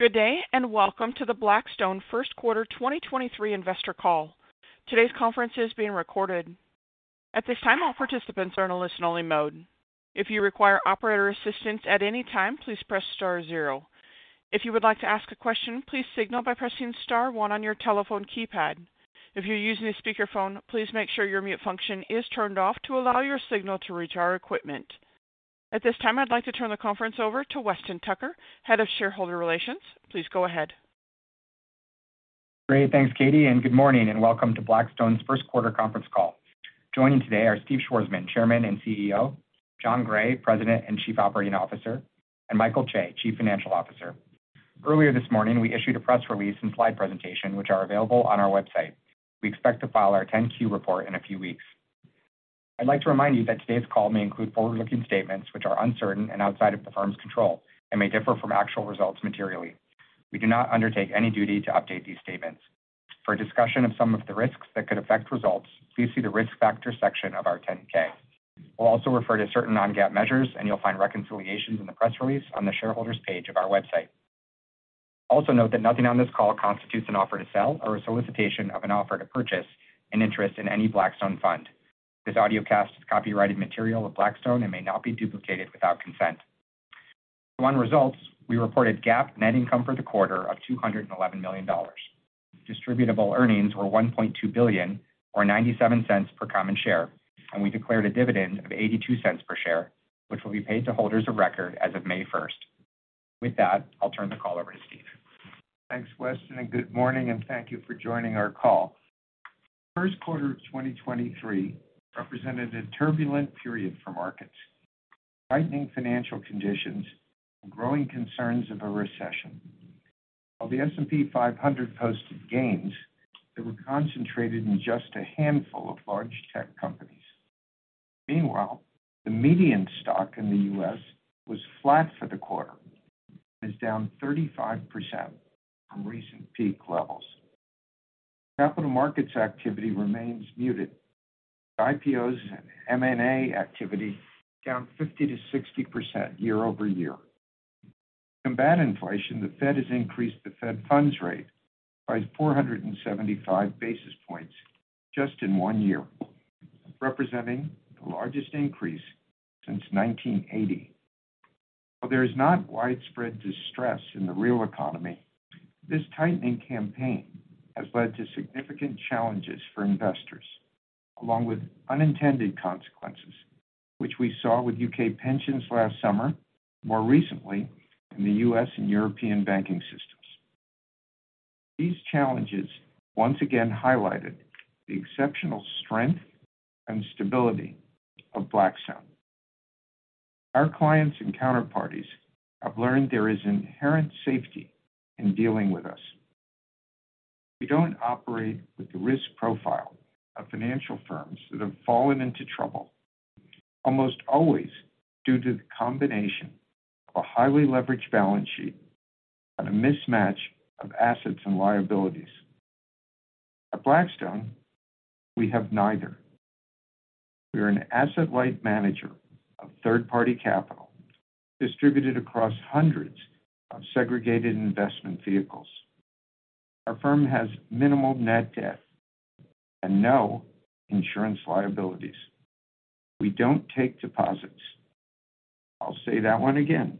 Good day, welcome to the Blackstone First Quarter 2023 investor call. Today's conference is being recorded. At this time, all participants are in a listen only mode. If you require operator assistance at any time, please press star zero. If you would like to ask a question, please signal by pressing star one on your telephone keypad. If you're using a speakerphone, please make sure your mute function is turned off to allow your signal to reach our equipment. At this time, I'd like to turn the conference over to Weston Tucker, Head of Shareholder Relations. Please go ahead. Great. Thanks, Katie. Good morning and welcome to Blackstone's first quarter conference call. Joining today are Steve Schwarzman, Chairman and CEO, Jon Gray, President and Chief Operating Officer, and Michael Chae, Chief Financial Officer. Earlier this morning, we issued a press release and slide presentation which are available on our website. We expect to file our 10-Q report in a few weeks. I'd like to remind you that today's call may include forward-looking statements which are uncertain and outside of the firm's control and may differ from actual results materially. We do not undertake any duty to update these statements. For a discussion of some of the risks that could affect results, please see the Risk Factors section of our 10-K. We'll also refer to certain non-GAAP measures, and you'll find reconciliations in the press release on the shareholders page of our website. Also note that nothing on this call constitutes an offer to sell or a solicitation of an offer to purchase an interest in any Blackstone fund. This audio cast is copyrighted material of Blackstone and may not be duplicated without consent. One, results. We reported GAAP net income for the quarter of $211 million. Distributable earnings were $1.2 billion or $0.97 per common share. We declared a dividend of $0.82 per share, which will be paid to holders of record as of May 1st. With that, I'll turn the call over to Steve. Thanks, Weston, and good morning and thank you for joining our call. First quarter of 2023 represented a turbulent period for markets, tightening financial conditions and growing concerns of a recession. While the S&P 500 posted gains, they were concentrated in just a handful of large tech companies. Meanwhile, the median stock in the U.S. was flat for the quarter, and is down 35% from recent peak levels. Capital markets activity remains muted. IPOs and M&A activity down 50%-60% year-over-year. To combat inflation, the Fed has increased the Fed funds rate by 475 basis points just in one year, representing the largest increase since 1980. While there is not widespread distress in the real economy, this tightening campaign has led to significant challenges for investors, along with unintended consequences, which we saw with U.K. pensions last summer. More recently in the U.S. and European banking systems. These challenges once again highlighted the exceptional strength and stability of Blackstone. Our clients and counterparties have learned there is inherent safety in dealing with us. We don't operate with the risk profile of financial firms that have fallen into trouble, almost always due to the combination of a highly leveraged balance sheet on a mismatch of assets and liabilities. At Blackstone, we have neither. We are an asset-light manager of third-party capital distributed across hundreds of segregated investment vehicles. Our firm has minimal net debt and no insurance liabilities. We don't take deposits. I'll say that one again.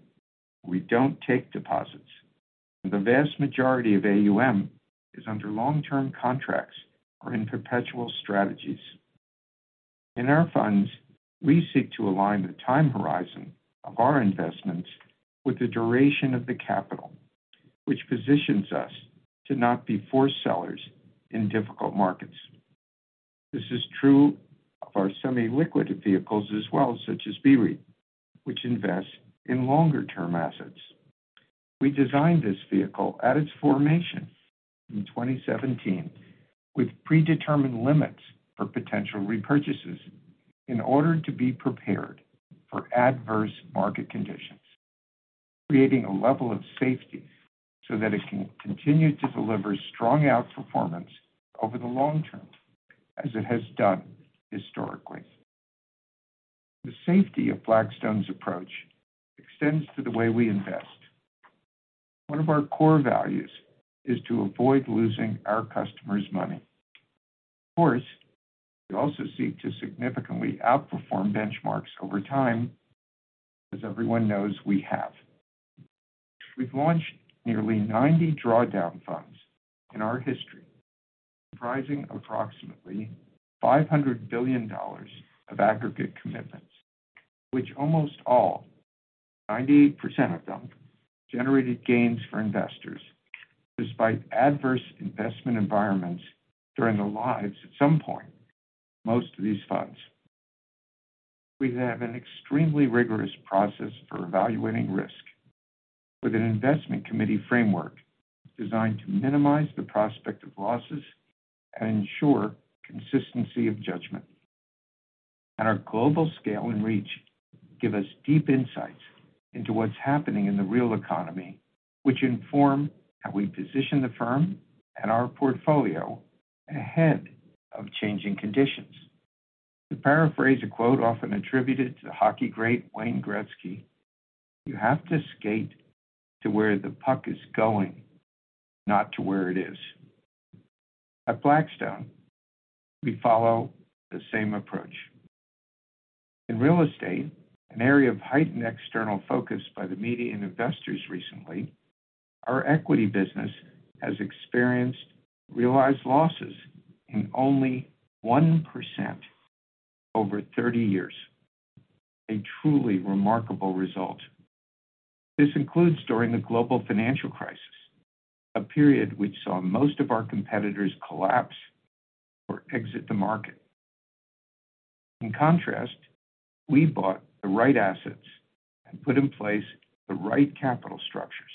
We don't take deposits. The vast majority of AUM is under long-term contracts or in perpetual strategies. In our funds, we seek to align the time horizon of our investments with the duration of the capital, which positions us to not be forced sellers in difficult markets. This is true of our semi-liquid vehicles as well, such as BREIT, which invest in longer-term assets. We designed this vehicle at its formation in 2017 with predetermined limits for potential repurchases in order to be prepared for adverse market conditions, creating a level of safety so that it can continue to deliver strong outperformance over the long term, as it has done historically. The safety of Blackstone's approach extends to the way we invest. One of our core values is to avoid losing our customers' money. Of course, we also seek to significantly outperform benchmarks over time. As everyone knows, we have. We've launched nearly 90 drawdown funds in our history, comprising approximately $500 billion of aggregate commitments, which almost all, 98% of them, generated gains for investors despite adverse investment environments during the lives at some point of most of these funds. We have an extremely rigorous process for evaluating risk with an investment committee framework designed to minimize the prospect of losses and ensure consistency of judgment. To paraphrase a quote often attributed to hockey great Wayne Gretzky, "You have to skate to where the puck is going, not to where it is." At Blackstone, we follow the same approach. In real estate, an area of heightened external focus by the media and investors recently, our equity business has experienced realized losses in only 1% over 30 years. A truly remarkable result. This includes during the global financial crisis, a period which saw most of our competitors collapse or exit the market. In contrast, we bought the right assets and put in place the right capital structures,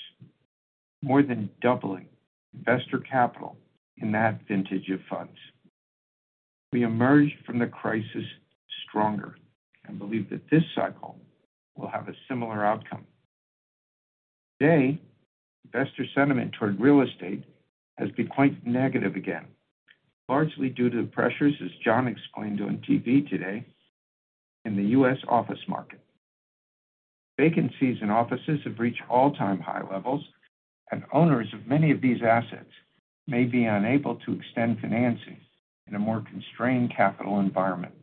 more than doubling investor capital in that vintage of funds. We emerged from the crisis stronger and believe that this cycle will have a similar outcome. Today, investor sentiment toward real estate has been quite negative again, largely due to the pressures, as Jon explained on TV today, in the U.S. office market. Vacancies in offices have reached all-time high levels, and owners of many of these assets may be unable to extend financing in a more constrained capital environment.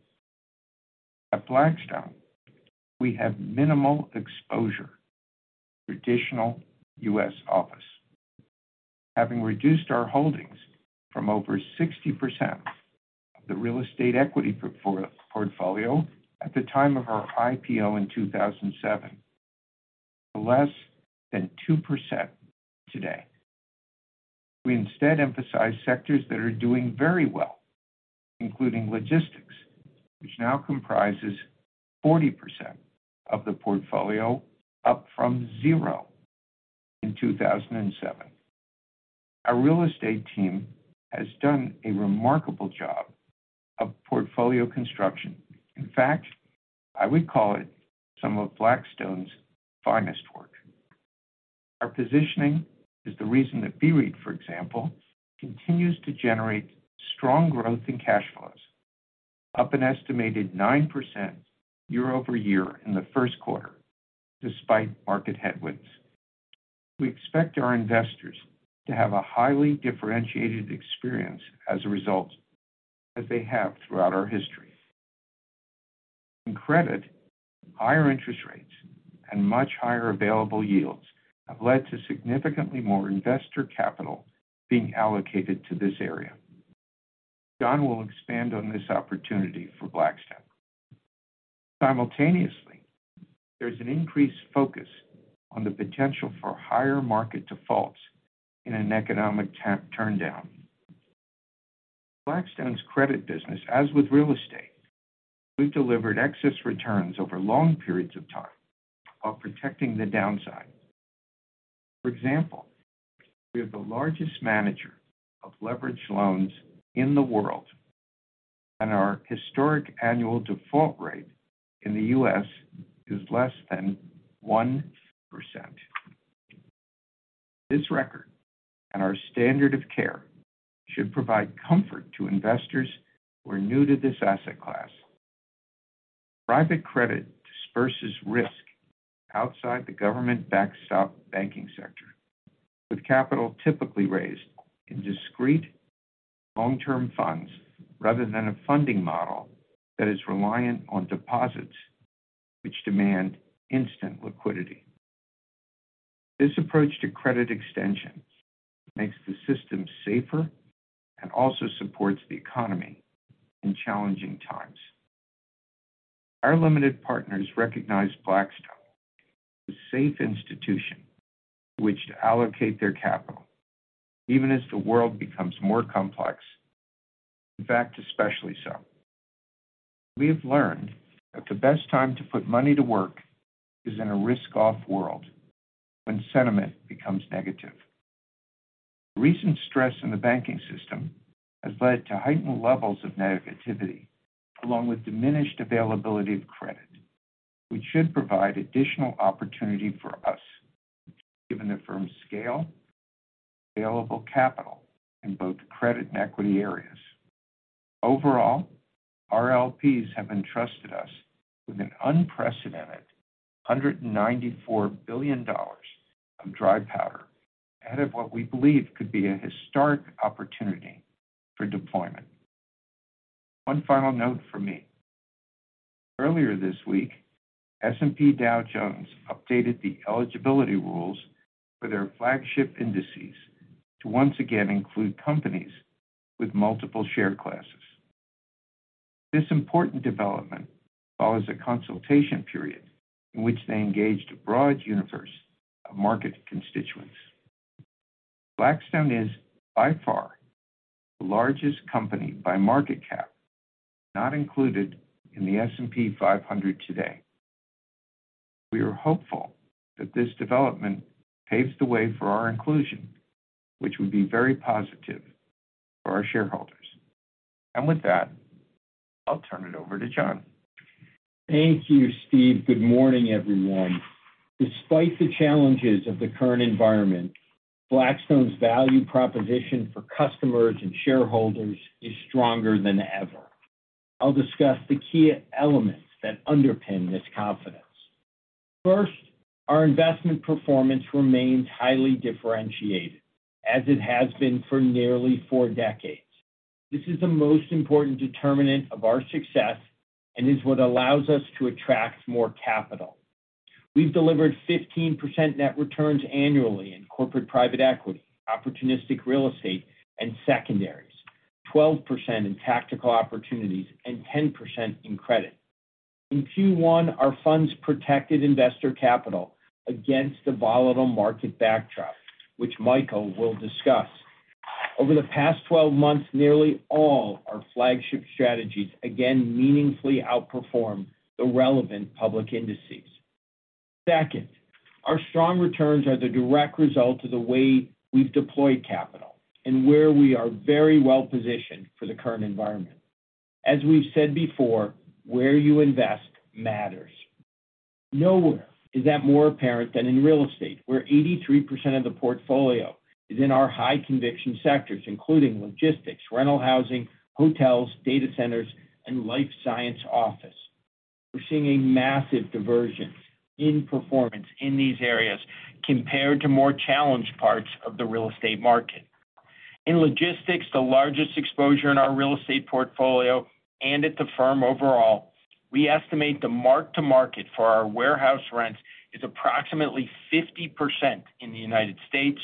At Blackstone, we have minimal exposure to traditional U.S. office, having reduced our holdings from over 60% of the real estate equity portfolio at the time of our IPO in 2007 to less than 2% today. We instead emphasize sectors that are doing very well, including logistics, which now comprises 40% of the portfolio, up from zero in 2007. Our real estate team has done a remarkable job of portfolio construction. In fact, I would call it some of Blackstone's finest work. Our positioning is the reason that BREIT, for example, continues to generate strong growth in cash flows, up an estimated 9% year-over-year in the first quarter, despite market headwinds. We expect our investors to have a highly differentiated experience as a result, as they have throughout our history. In credit, higher interest rates and much higher available yields have led to significantly more investor capital being allocated to this area. Jon Gray will expand on this opportunity for Blackstone. Simultaneously, there's an increased focus on the potential for higher market defaults in an economic turndown. Blackstone's credit business, as with real estate, we've delivered excess returns over long periods of time while protecting the downside. For example, we are the largest manager of leveraged loans in the world, and our historic annual default rate in the U.S. is less than 1%. This record and our standard of care should provide comfort to investors who are new to this asset class. Private credit disperses risk outside the government-backed south banking sector, with capital typically raised in discrete long-term funds rather than a funding model that is reliant on deposits which demand instant liquidity. This approach to credit extensions makes the system safer and also supports the economy in challenging times. Our limited partners recognize Blackstone, a safe institution to which to allocate their capital, even as the world becomes more complex. In fact, especially so. We have learned that the best time to put money to work is in a risk-off world when sentiment becomes negative. Recent stress in the banking system has led to heightened levels of negativity, along with diminished availability of credit, which should provide additional opportunity for us given the firm's scale, available capital in both credit and equity areas. Overall, our LPs have entrusted us with an unprecedented $194 billion of dry powder ahead of what we believe could be a historic opportunity for deployment. One final note from me. Earlier this week, S&P Dow Jones updated the eligibility rules for their flagship indices to once again include companies with multiple share classes. This important development follows a consultation period in which they engaged a broad universe of market constituents. Blackstone is by far the largest company by market cap, not included in the S&P 500 today. We are hopeful that this development paves the way for our inclusion, which would be very positive for our shareholders. With that, I'll turn it over to Jon. Thank you, Steve. Good morning, everyone. Despite the challenges of the current environment, Blackstone's value proposition for customers and shareholders is stronger than ever. I'll discuss the key elements that underpin this confidence. Our investment performance remains highly differentiated as it has been for nearly four decades. This is the most important determinant of our success and is what allows us to attract more capital. We've delivered 15% net returns annually in corporate private equity, opportunistic real estate, and secondaries, 12% in tactical opportunities, and 10% in credit. In Q1, our funds protected investor capital against the volatile market backdrop, which Michael will discuss. Over the past 12 months, nearly all our flagship strategies again meaningfully outperformed the relevant public indices. Our strong returns are the direct result of the way we've deployed capital and where we are very well positioned for the current environment. As we've said before, where you invest matters. Nowhere is that more apparent than in real estate, where 83% of the portfolio is in our high conviction sectors, including logistics, rental housing, hotels, data centers, and life science office. We're seeing a massive diversion in performance in these areas compared to more challenged parts of the real estate market. In logistics, the largest exposure in our real estate portfolio and at the firm overall, we estimate the mark-to-market for our warehouse rents is approximately 50% in the United States,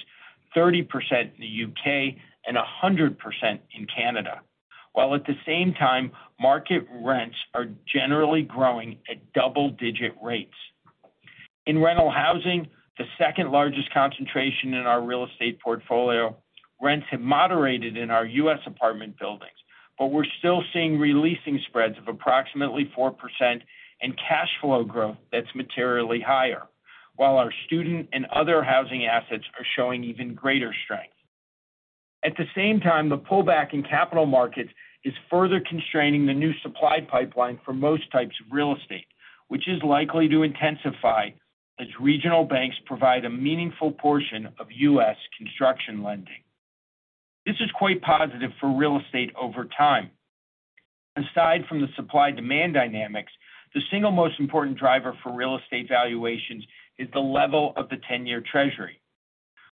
30% in the U.K., and 100% in Canada. At the same time, market rents are generally growing at double-digit rates. In rental housing, the second-largest concentration in our real estate portfolio, rents have moderated in our U.S. apartment buildings, but we're still seeing re-leasing spreads of approximately 4% and cash flow growth that's materially higher, while our student and other housing assets are showing even greater strength. At the same time, the pullback in capital markets is further constraining the new supply pipeline for most types of real estate, which is likely to intensify as regional banks provide a meaningful portion of U.S. construction lending. This is quite positive for real estate over time. Aside from the supply-demand dynamics, the single most important driver for real estate valuations is the level of the 10-year treasury.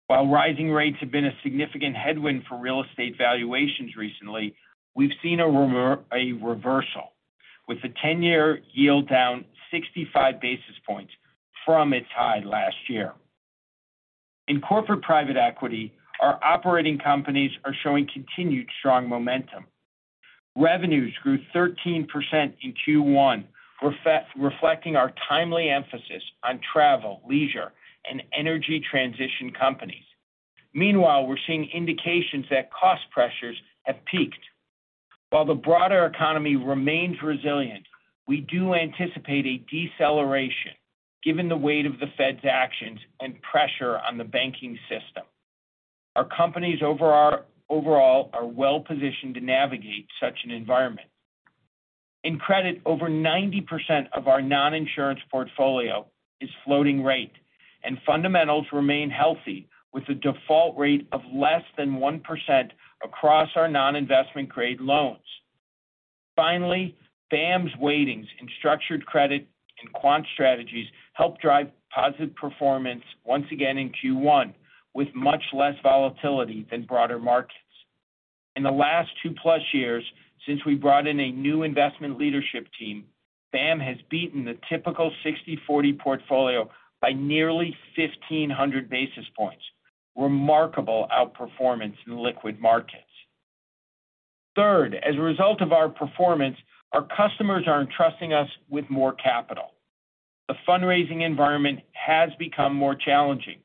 While rising rates have been a significant headwind for real estate valuations recently, we've seen a reversal, with the 10-year yield down 65 basis points from its high last year. In corporate private equity, our operating companies are showing continued strong momentum. Revenues grew 13% in Q1, reflecting our timely emphasis on travel, leisure, and energy transition companies. Meanwhile, we're seeing indications that cost pressures have peaked. While the broader economy remains resilient, we do anticipate a deceleration given the weight of the Fed's actions and pressure on the banking system. Our companies overall are well positioned to navigate such an environment. In credit, over 90% of our non-insurance portfolio is floating rate, and fundamentals remain healthy with a default rate of less than 1% across our non-investment grade loans. Finally, BAAM's weightings in structured credit and quant strategies help drive positive performance once again in Q1, with much less volatility than broader markets. In the last 2+ years since we brought in a new investment leadership team, BAAM has beaten the typical 60/40 portfolio by nearly 1,500 basis points. Remarkable outperformance in liquid markets. As a result of our performance, our customers are entrusting us with more capital. The fundraising environment has become more challenging,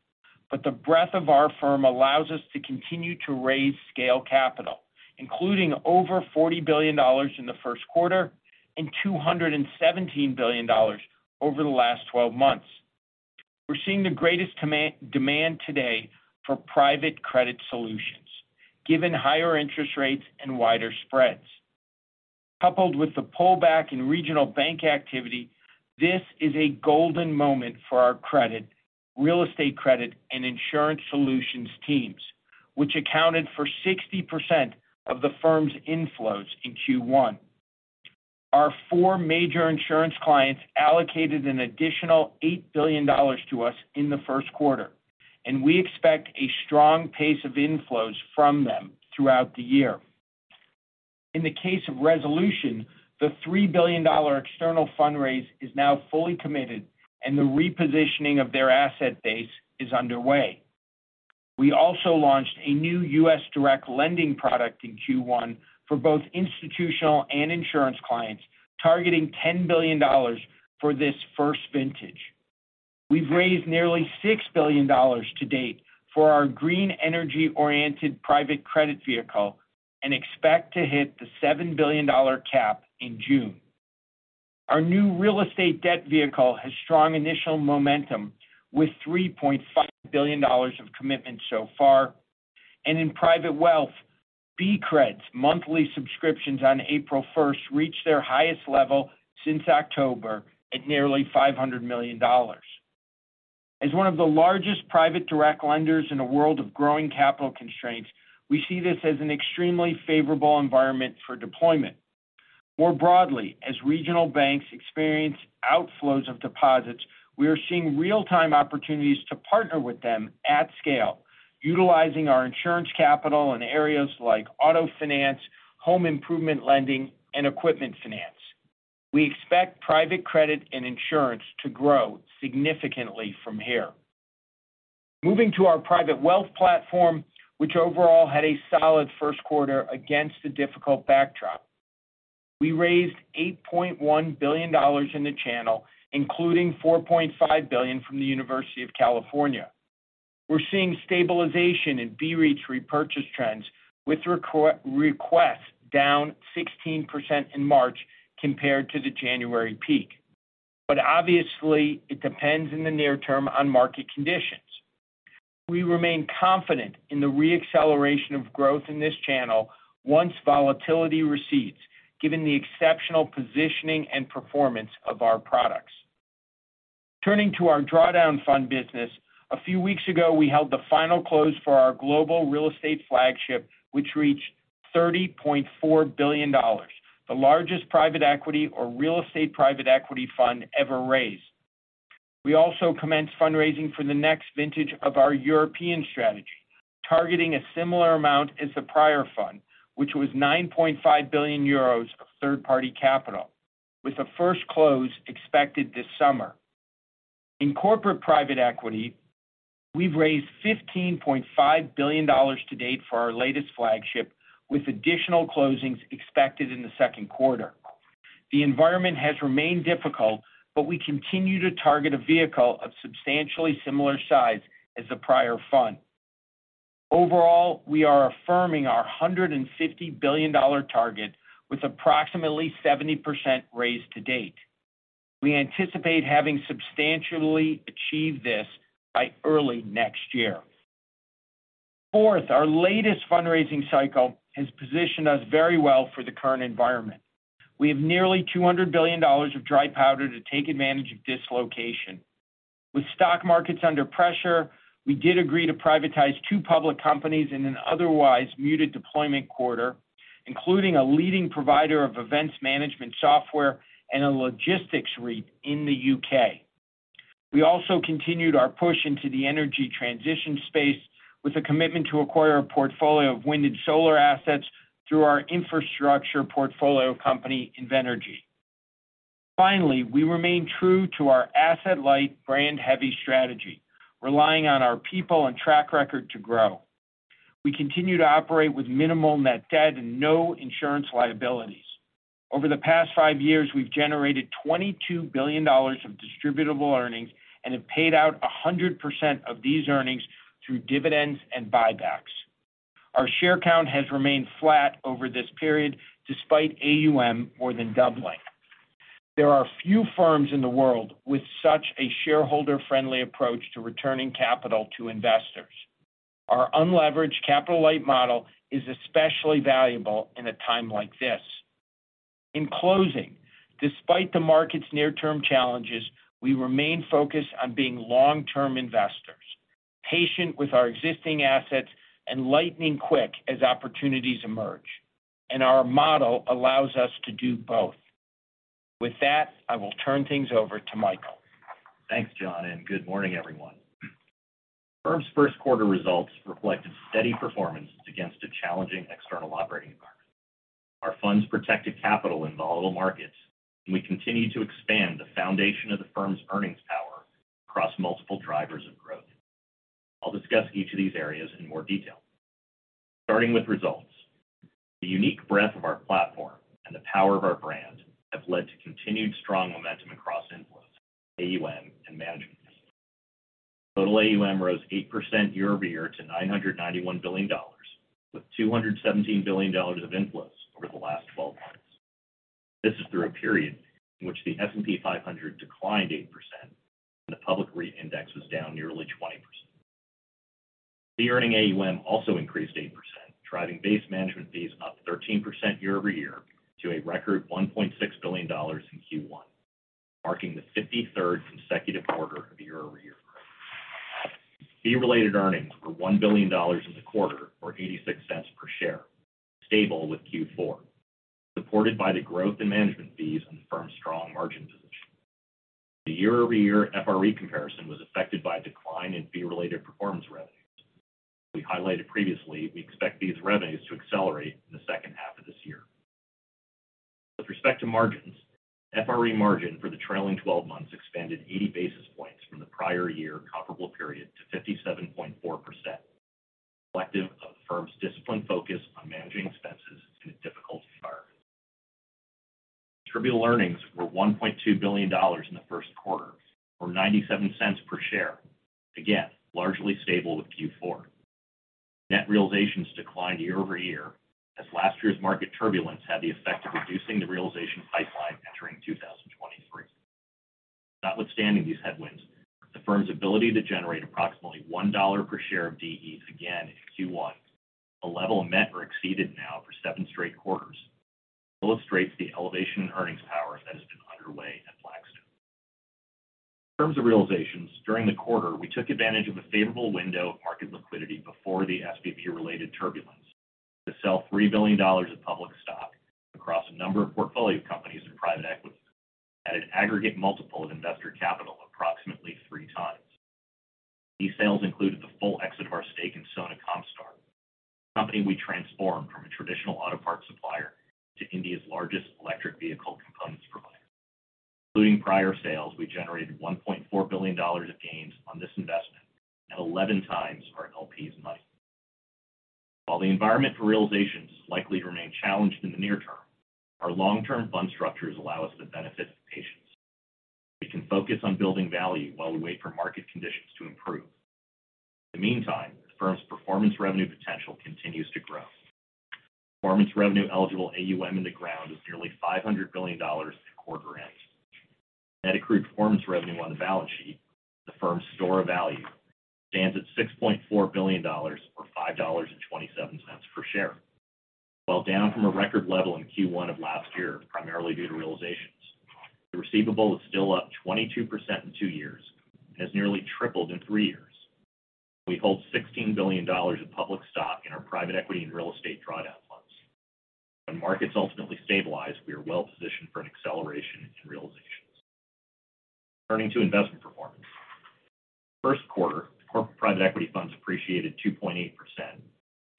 but the breadth of our firm allows us to continue to raise scale capital, including over $40 billion in the first quarter and $217 billion over the last 12 months. We're seeing the greatest demand today for private credit solutions, given higher interest rates and wider spreads. Coupled with the pullback in regional bank activity, this is a golden moment for our credit, real estate credit, and insurance solutions teams, which accounted for 60% of the firm's inflows in Q1. Our four major insurance clients allocated an additional $8 billion to us in the first quarter. We expect a strong pace of inflows from them throughout the year. In the case of Resolution, the $3 billion external fundraise is now fully committed, and the repositioning of their asset base is underway. We also launched a new U.S. direct lending product in Q1 for both institutional and insurance clients, targeting $10 billion for this first vintage. We've raised nearly $6 billion to date for our green energy-oriented private credit vehicle and expect to hit the $7 billion cap in June. Our new real estate debt vehicle has strong initial momentum with $3.5 billion of commitments so far. In private wealth, BCRED's monthly subscriptions on April first reached their highest level since October at nearly $500 million. As one of the largest private direct lenders in a world of growing capital constraints, we see this as an extremely favorable environment for deployment. More broadly, as regional banks experience outflows of deposits, we are seeing real-time opportunities to partner with them at scale, utilizing our insurance capital in areas like auto finance, home improvement lending, and equipment finance. We expect private credit and insurance to grow significantly from here. Moving to our private wealth platform, which overall had a solid first quarter against a difficult backdrop. We raised $8.1 billion in the channel, including $4.5 billion from the University of California. We're seeing stabilization in BREIT repurchase trends with requests down 16% in March compared to the January peak. Obviously, it depends in the near term on market conditions. We remain confident in the re-acceleration of growth in this channel once volatility recedes, given the exceptional positioning and performance of our products. Turning to our drawdown fund business. A few weeks ago, we held the final close for our global real estate flagship, which reached $30.4 billion, the largest private equity or real estate private equity fund ever raised. We also commenced fundraising for the next vintage of our European strategy, targeting a similar amount as the prior fund, which was 9.5 billion euros of third-party capital, with the first close expected this summer. In corporate private equity, we've raised $15.5 billion to date for our latest flagship, with additional closings expected in the second quarter. The environment has remained difficult. We continue to target a vehicle of substantially similar size as the prior fund. Overall, we are affirming our $150 billion target with approximately 70% raised to date. We anticipate having substantially achieved this by early next year. Fourth, our latest fundraising cycle has positioned us very well for the current environment. We have nearly $200 billion of dry powder to take advantage of dislocation. With stock markets under pressure, we did agree to privatize two public companies in an otherwise muted deployment quarter, including a leading provider of events management software and a logistics REIT in the U.K. We also continued our push into the energy transition space with a commitment to acquire a portfolio of wind and solar assets through our infrastructure portfolio company, Invenergy. We remain true to our asset-light, brand-heavy strategy, relying on our people and track record to grow. We continue to operate with minimal net debt and no insurance liabilities. Over the past five years, we've generated $22 billion of distributable earnings and have paid out 100% of these earnings through dividends and buybacks. Our share count has remained flat over this period despite AUM more than doubling. There are few firms in the world with such a shareholder-friendly approach to returning capital to investors. Our unleveraged capital-light model is especially valuable in a time like this. In closing, despite the market's near-term challenges, we remain focused on being long-term investors, patient with our existing assets, and lightning quick as opportunities emerge. Our model allows us to do both. With that, I will turn things over to Michael. Thanks, Jon. Good morning, everyone. Firm's first quarter results reflected steady performance against a challenging external operating environment. Our funds protected capital in volatile markets, and we continue to expand the foundation of the firm's earnings power across multiple drivers of growth. I'll discuss each of these areas in more detail. Starting with results, the unique breadth of our platform and the power of our brand have led to continued strong momentum across inflows, AUM, and management fees. Total AUM rose 8% year-over-year to $991 billion, with $217 billion of inflows over the last 12 months. This is through a period in which the S&P 500 declined 8% and the public REIT index was down nearly 20%. The earning AUM also increased 8%, driving base management fees up 13% year-over-year to a record $1.6 billion in Q1, marking the 53rd consecutive quarter of year-over-year growth. Fee-Related Earnings were $1 billion in the quarter or $0.86 per share, stable with Q4, supported by the growth in management fees and the firm's strong margin position. The year-over-year FRE comparison was affected by a decline in Fee Related Performance Revenues. We highlighted previously we expect these revenues to accelerate in the second half of this year. With respect to margins, FRE margin for the trailing 12 months expanded 80 basis points from the prior year comparable period to 57.4%, collective of the firm's disciplined focus on managing expenses in a difficult environment. Attributable earnings were $1.2 billion in the first quarter or $0.97 per share. Largely stable with Q4. Net realizations declined year-over-year as last year's market turbulence had the effect of reducing the realization pipeline entering 2000. Notwithstanding these headwinds, the firm's ability to generate approximately $1 per share of DE again in Q1, a level met or exceeded now for seven straight quarters, illustrates the elevation in earnings power that has been underway at Blackstone. In terms of realizations, during the quarter, we took advantage of a favorable window of market liquidity before the SVB-related turbulence to sell $3 billion of public stock across a number of portfolio companies in private equity at an aggregate multiple of investor capital approximately 3x. These sales included the full exit of our stake in Sona Comstar, a company we transformed from a traditional auto parts supplier to India's largest electric vehicle components provider. Including prior sales, we generated $1.4 billion of gains on this investment at 11x our LPs' money. While the environment for realizations is likely to remain challenged in the near term, our long-term fund structures allow us the benefit of patience. We can focus on building value while we wait for market conditions to improve. In the meantime, the firm's performance revenue potential continues to grow. Performance revenue-eligible AUM in the ground is nearly $500 billion at quarter end. Net Accrued Performance Revenue on the balance sheet, the firm's store of value, stands at $6.4 billion or $5.27 per share. While down from a record level in Q1 of last year, primarily due to realizations, the receivable is still up 22% in two years and has nearly tripled in three years. We hold $16 billion of public stock in our private equity and real estate drawdown funds. When markets ultimately stabilize, we are well-positioned for an acceleration in realizations. Turning to investment performance. First quarter, corporate private equity funds appreciated 2.8%,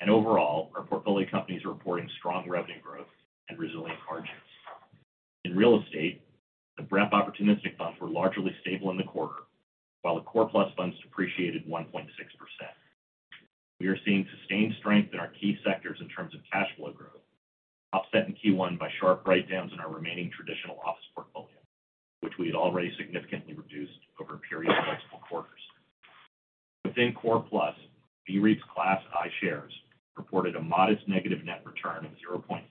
and overall, our portfolio companies are reporting strong revenue growth and resilient margins. In real estate, the BREP opportunistic funds were largely stable in the quarter, while the Core+ funds depreciated 1.6%. We are seeing sustained strength in our key sectors in terms of cash flow growth, offset in Q1 by sharp write-downs in our remaining traditional office portfolio, which we had already significantly reduced over a period of multiple quarters. Within Core+, BREIT's Class I shares reported a modest negative net return of 0.5%.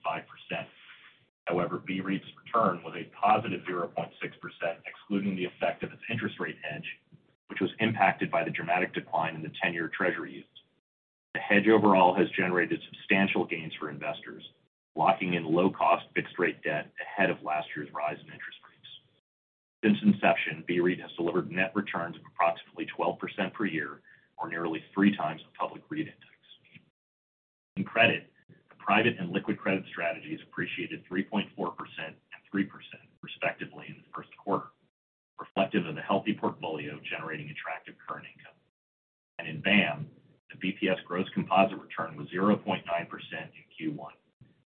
BREIT's return was a positive 0.6%, excluding the effect of its interest rate hedge, which was impacted by the dramatic decline in the 10-year treasury yields. The hedge overall has generated substantial gains for investors, locking in low-cost fixed rate debt ahead of last year's rise in interest rates. Since inception, BREIT has delivered net returns of approximately 12% per year or nearly three times the public REIT index. In credit, the private and liquid credit strategies appreciated 3.4% and 3% respectively in the first quarter, reflective of the healthy portfolio generating attractive current income. In BAAM, the BPS gross composite return was 0.9% in Q1,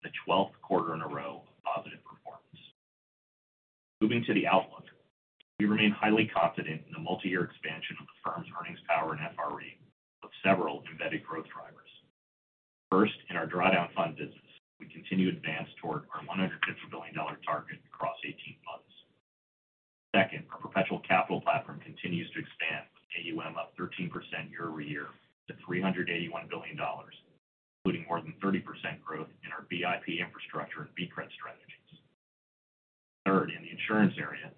the 12th quarter in a row of positive performance. Moving to the outlook, we remain highly confident in the multi-year expansion of the firm's earnings power in FRE with several embedded growth drivers. First, in our drawdown fund business, we continue to advance toward our $150 billion target across 18 months. Second, our Perpetual Capital platform continues to expand with AUM up 13% year-over-year to $381 billion, including more than 30% growth in our BIP infrastructure and B credit strategies. Third, in the insurance area,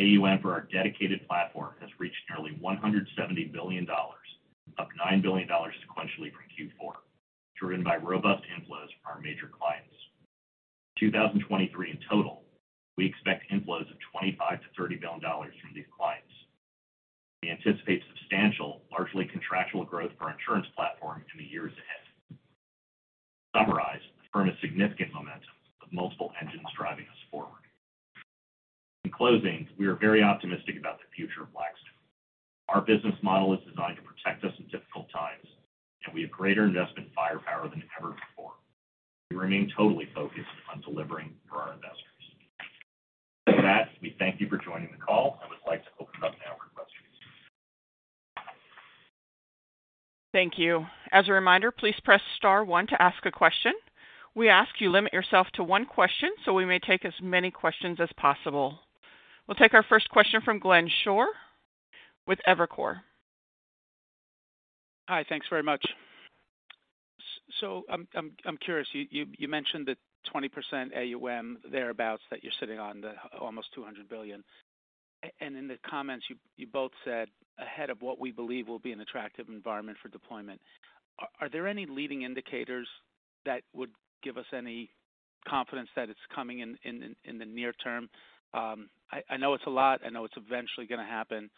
AUM for our dedicated platform has reached nearly $170 billion, up $9 billion sequentially from Q4, driven by robust inflows from our major clients. In 2023 in total, we expect inflows of $25 billion-$30 billion from these clients. We anticipate substantial, largely contractual growth for our insurance platform in the years ahead. To summarize, the firm has significant momentum with multiple engines driving us forward. In closing, we are very optimistic about the future of Blackstone. Our business model is designed to protect us in difficult times, and we have greater investment firepower than ever before. We remain totally focused on delivering for our investors. With that, we thank you for joining the call and would like to open it up now for questions. Thank you. As a reminder, please press star one to ask a question. We ask you limit yourself to one question, so we may take as many questions as possible. We'll take our first question from Glenn Schorr with Evercore. Hi. Thanks very much. I'm curious, you mentioned the 20% AUM thereabouts that you're sitting on, the almost $200 billion. In the comments, you both said ahead of what we believe will be an attractive environment for deployment. Are there any leading indicators that would give us any confidence that it's coming in the near term? I know it's a lot. I know it's eventually gonna happen.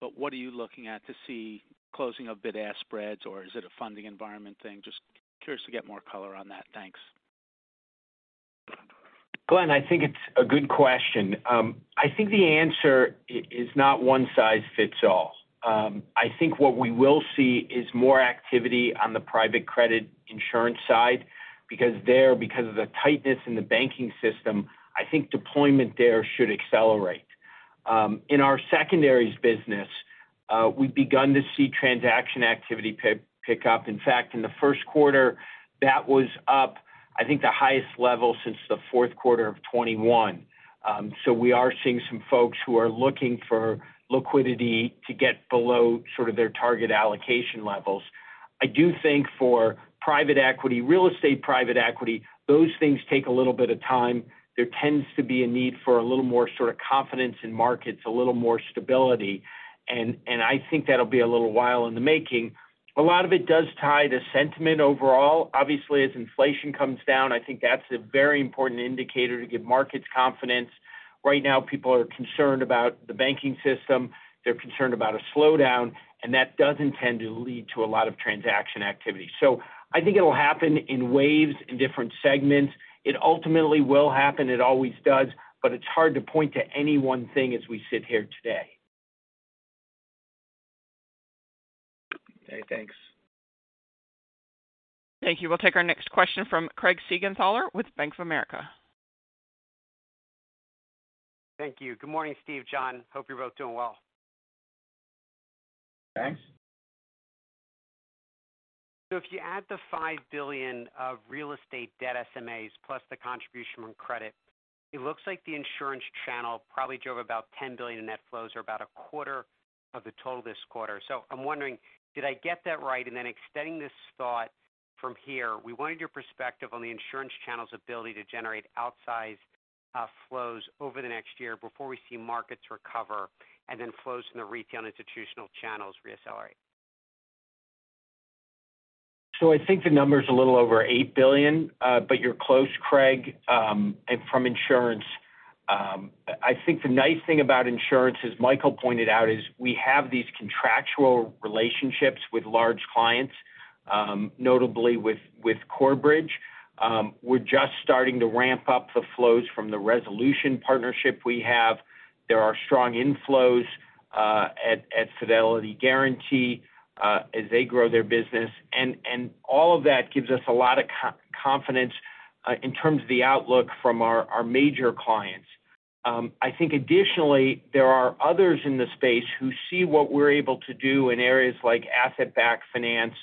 What are you looking at to see closing of bid-ask spreads, or is it a funding environment thing? Just curious to get more color on that. Thanks. Glenn, I think it's a good question. I think the answer is not one size fits all. I think what we will see is more activity on the private credit insurance side because there, because of the tightness in the banking system, I think deployment there should accelerate. In our secondaries business, we've begun to see transaction activity pick up. In fact, in the first quarter, that was up, I think, the highest level since the fourth quarter of 2021. We are seeing some folks who are looking for liquidity to get below sort of their target allocation levels. I do think for private equity, real estate private equity, those things take a little bit of time. There tends to be a need for a little more sort of confidence in markets, a little more stability. I think that'll be a little while in the making. A lot of it does tie to sentiment overall. Obviously, as inflation comes down, I think that's a very important indicator to give markets confidence. Right now, people are concerned about the banking system. That doesn't tend to lead to a lot of transaction activity. I think it'll happen in waves, in different segments. It ultimately will happen. It always does, it's hard to point to any one thing as we sit here today. Okay. Thanks. Thank you. We'll take our next question from Craig Siegenthaler with Bank of America. Thank you. Good morning, Steve, Jon. Hope you're both doing well. Thanks. If you add the $5 billion of real estate debt SMAs plus the contribution from credit, it looks like the insurance channel probably drove about $10 billion in net flows or about a quarter of the total this quarter. I'm wondering, did I get that right? Extending this thought from here, we wanted your perspective on the insurance channel's ability to generate outsized flows over the next year before we see markets recover and then flows in the retail institutional channels reaccelerate. I think the number is a little over $8 billion, but you're close, Craig Siegenthaler, from insurance. I think the nice thing about insurance, as Michael Chae pointed out, is we have these contractual relationships with large clients, notably with Corebridge Financial. We're just starting to ramp up the flows from the Resolution Life partnership we have. There are strong inflows at Fidelity & Guaranty Life as they grow their business. All of that gives us a lot of confidence in terms of the outlook from our major clients. I think additionally, there are others in the space who see what we're able to do in areas like asset-backed finance,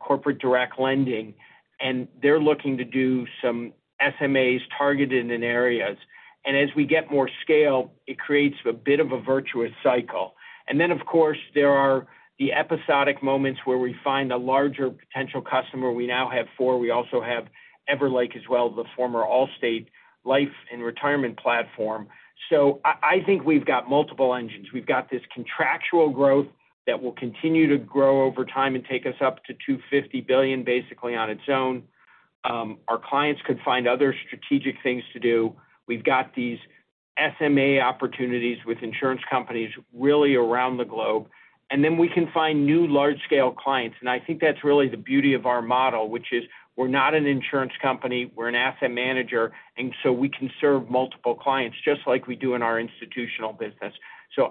corporate direct lending, and they're looking to do some SMAs targeted in areas. As we get more scale, it creates a bit of a virtuous cycle. Of course, there are the episodic moments where we find a larger potential customer. We now have four. We also have Everlake as well, the former Allstate Life and Retirement platform. I think we've got multiple engines. We've got this contractual growth that will continue to grow over time and take us up to $250 billion basically on its own. Our clients could find other strategic things to do. We've got these SMA opportunities with insurance companies really around the globe. We can find new large-scale clients. I think that's really the beauty of our model, which is we're not an insurance company, we're an asset manager, and so we can serve multiple clients just like we do in our institutional business.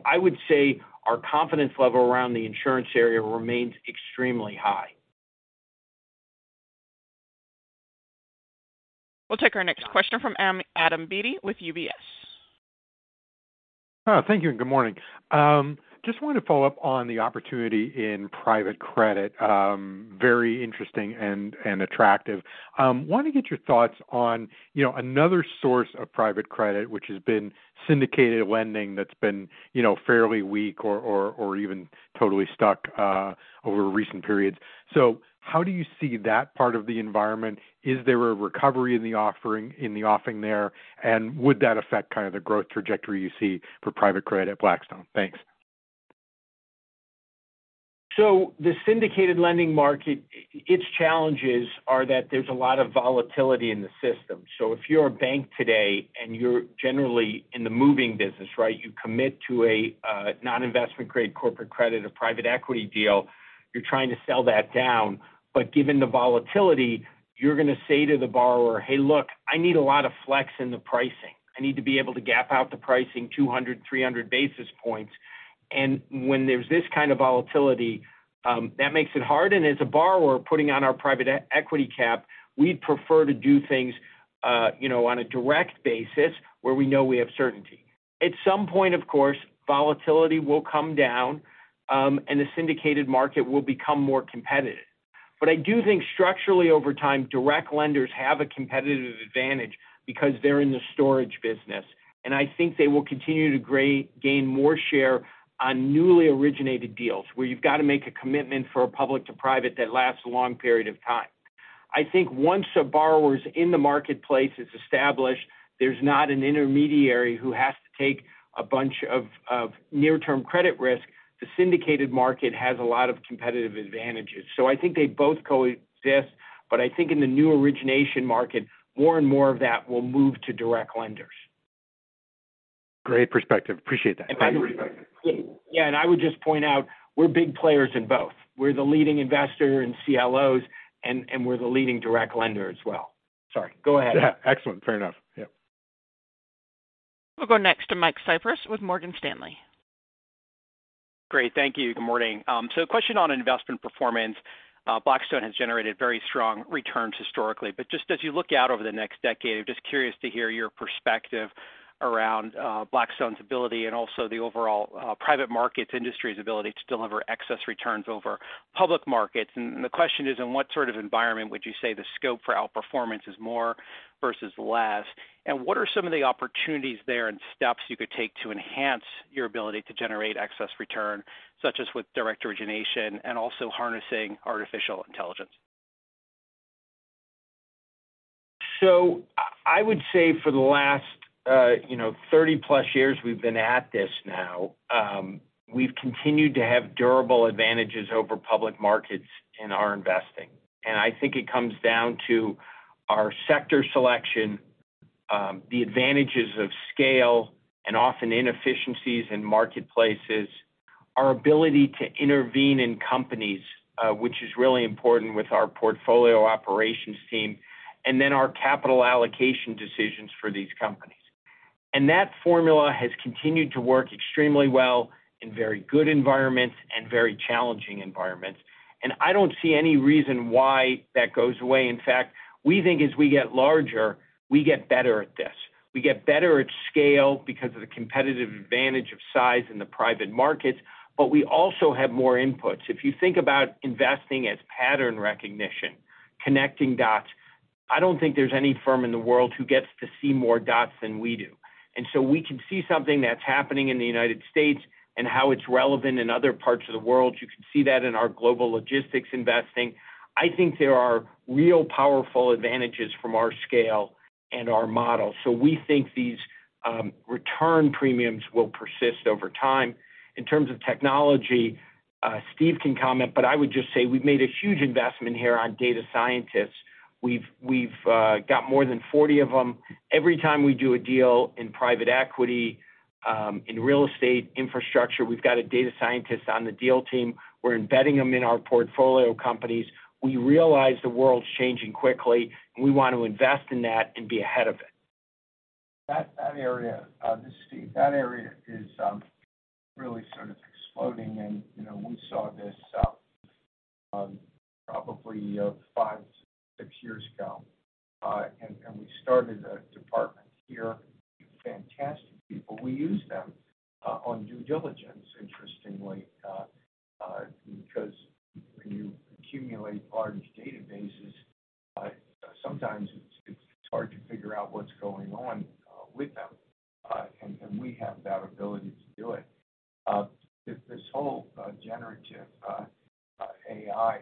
I would say our confidence level around the insurance area remains extremely high. We'll take our next question from Adam Beatty with UBS. Thank you, and good morning. Just wanted to follow up on the opportunity in private credit. Very interesting and attractive. Wanted to get your thoughts on, you know, another source of private credit, which has been syndicated lending that's been, you know, fairly weak or even totally stuck, over recent periods. How do you see that part of the environment? Is there a recovery in the offing there? Would that affect kind of the growth trajectory you see for private credit at Blackstone? Thanks. The syndicated lending market, its challenges are that there's a lot of volatility in the system. If you're a bank today and you're generally in the moving business, right, you commit to a non-investment grade corporate credit or private equity deal, you're trying to sell that down. Given the volatility, you're gonna say to the borrower, "Hey, look, I need a lot of flex in the pricing. I need to be able to gap out the pricing 200, 300 basis points." When there's this kind of volatility, that makes it hard. As a borrower, putting on our private equity cap, we'd prefer to do things, you know, on a direct basis where we know we have certainty. At some point, of course, volatility will come down, and the syndicated market will become more competitive. I do think structurally over time, direct lenders have a competitive advantage because they're in the storage business. I think they will continue to gain more share on newly originated deals where you've got to make a commitment for a public to private that lasts a long period of time. I think once a borrower's in the marketplace, it's established, there's not an intermediary who has to take a bunch of near-term credit risk, the syndicated market has a lot of competitive advantages. I think they both coexist. I think in the new origination market, more and more of that will move to direct lenders. Great perspective. Appreciate that. Yeah. I would just point out, we're big players in both. We're the leading investor in CLOs, and we're the leading direct lender as well. Sorry. Go ahead. Yeah. Excellent. Fair enough. Yeah. We'll go next to Michael Cyprys with Morgan Stanley. Great. Thank you. Good morning. A question on investment performance. Blackstone has generated very strong returns historically. Just as you look out over the next decade, I'm just curious to hear your perspective around Blackstone's ability and also the overall private markets industry's ability to deliver excess returns over public markets. The question is, in what sort of environment would you say the scope for outperformance is more versus less? What are some of the opportunities there and steps you could take to enhance your ability to generate excess return, such as with direct origination and also harnessing artificial intelligence? I would say for the last, you know, 30+ years we've been at this now, we've continued to have durable advantages over public markets in our investing. I think it comes down to our sector selection, the advantages of scale, and often inefficiencies in marketplaces, our ability to intervene in companies, which is really important with our portfolio operations team, and then our capital allocation decisions for these companies. That formula has continued to work extremely well in very good environments and very challenging environments. I don't see any reason why that goes away. In fact, we think as we get larger, we get better at this. We get better at scale because of the competitive advantage of size in the private markets, but we also have more inputs. If you think about investing as pattern recognition, connecting dots, I don't think there's any firm in the world who gets to see more dots than we do. We can see something that's happening in the United States, and how it's relevant in other parts of the world. You can see that in our global logistics investing. I think there are real powerful advantages from our scale and our model. We think these return premiums will persist over time. In terms of technology, Steve can comment, but I would just say we've made a huge investment here on data scientists. We've got more than 40 of them. Every time we do a deal in private equity, in real estate infrastructure, we've got a data scientist on the deal team. We're embedding them in our portfolio companies. We realize the world's changing quickly, and we want to invest in that and be ahead of it. That area, this is Steve. That area is really sort of exploding. You know, we saw this, probably five, six years ago. And we started a department here. Fantastic people. We use them on due diligence, interestingly, because when you accumulate large databases, sometimes it's hard to figure out what's going on with them. And we have that ability to do it. This whole generative AI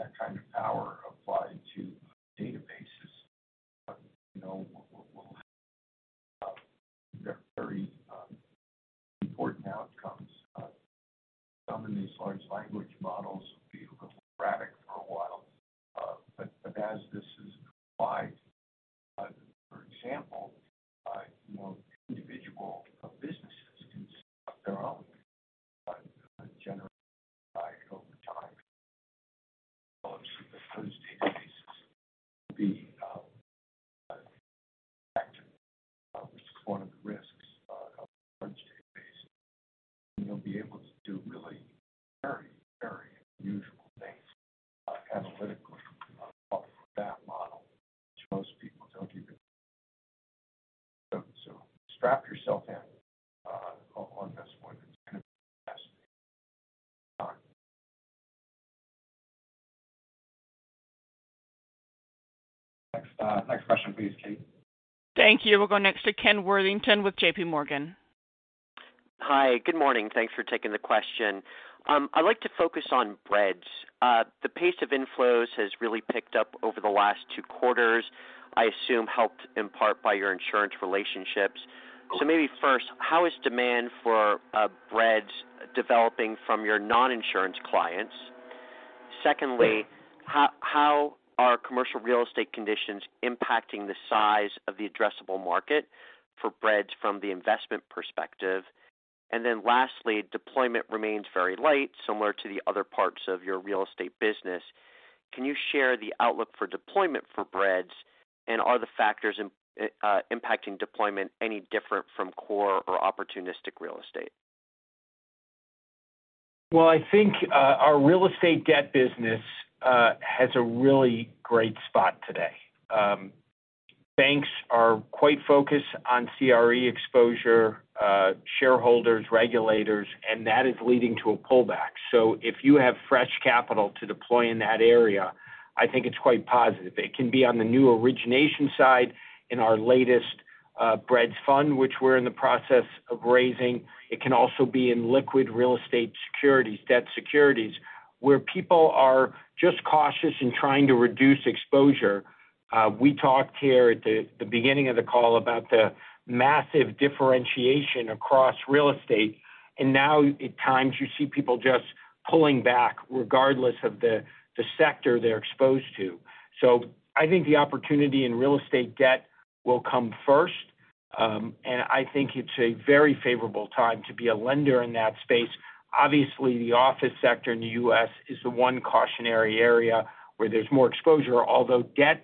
area, which is fascinating. We've had our people, you know, sort of out in California, meeting with a lot of the people. You know, I've been involved in the whole AI area, funding College of Computing at MIT, and AI ethics area at Oxford. We have a very unusual network here. Commercial firm, knowing what's going on. I was with somebody last night, very involved in the sector. Outside of a Blackstone earnings call, just dramatic increases, power, every AI area. That kind of power applied to databases. You know, we'll have very important outcomes. Some of these large language models will be a little erratic for a while. As this is applied, for example, more individual businesses can start their own generative AI over time. Those databases will be active. Which is one of the risks of a large database. You'll be able to do really very, very unusual things analytically for that model, which most people don't even... Strap yourself in on this one. It's gonna be fascinating. Next question, please, Kate. Thank you. We'll go next to Ken Worthington with JPMorgan. Hi. Good morning. Thanks for taking the question. I'd like to focus on BREDS. The pace of inflows has really picked up over the last two quarters. I assume helped in part by your insurance relationships. Maybe first, how is demand for BREDS developing from your non-insurance clients? Secondly, how are commercial real estate conditions impacting the size of the addressable market for BREDS from the investment perspective? Lastly, deployment remains very light, similar to the other parts of your real estate business. Can you share the outlook for deployment for BREDS? Are the factors impacting deployment any different from Core+ or opportunistic real estate? Well, I think our real estate debt business has a really great spot today. Banks are quite focused on CRE exposure, shareholders, regulators, and that is leading to a pullback. If you have fresh capital to deploy in that area, I think it's quite positive. It can be on the new origination side in our latest BREDS fund, which we're in the process of raising. It can also be in liquid real estate securities, debt securities, where people are just cautious in trying to reduce exposure. We talked here at the beginning of the call about the massive differentiation across real estate, and now at times you see people just pulling back regardless of the sector they're exposed to. I think the opportunity in real estate debt will come first, and I think it's a very favorable time to be a lender in that space. Obviously, the office sector in the U.S. is the one cautionary area where there's more exposure, although debt,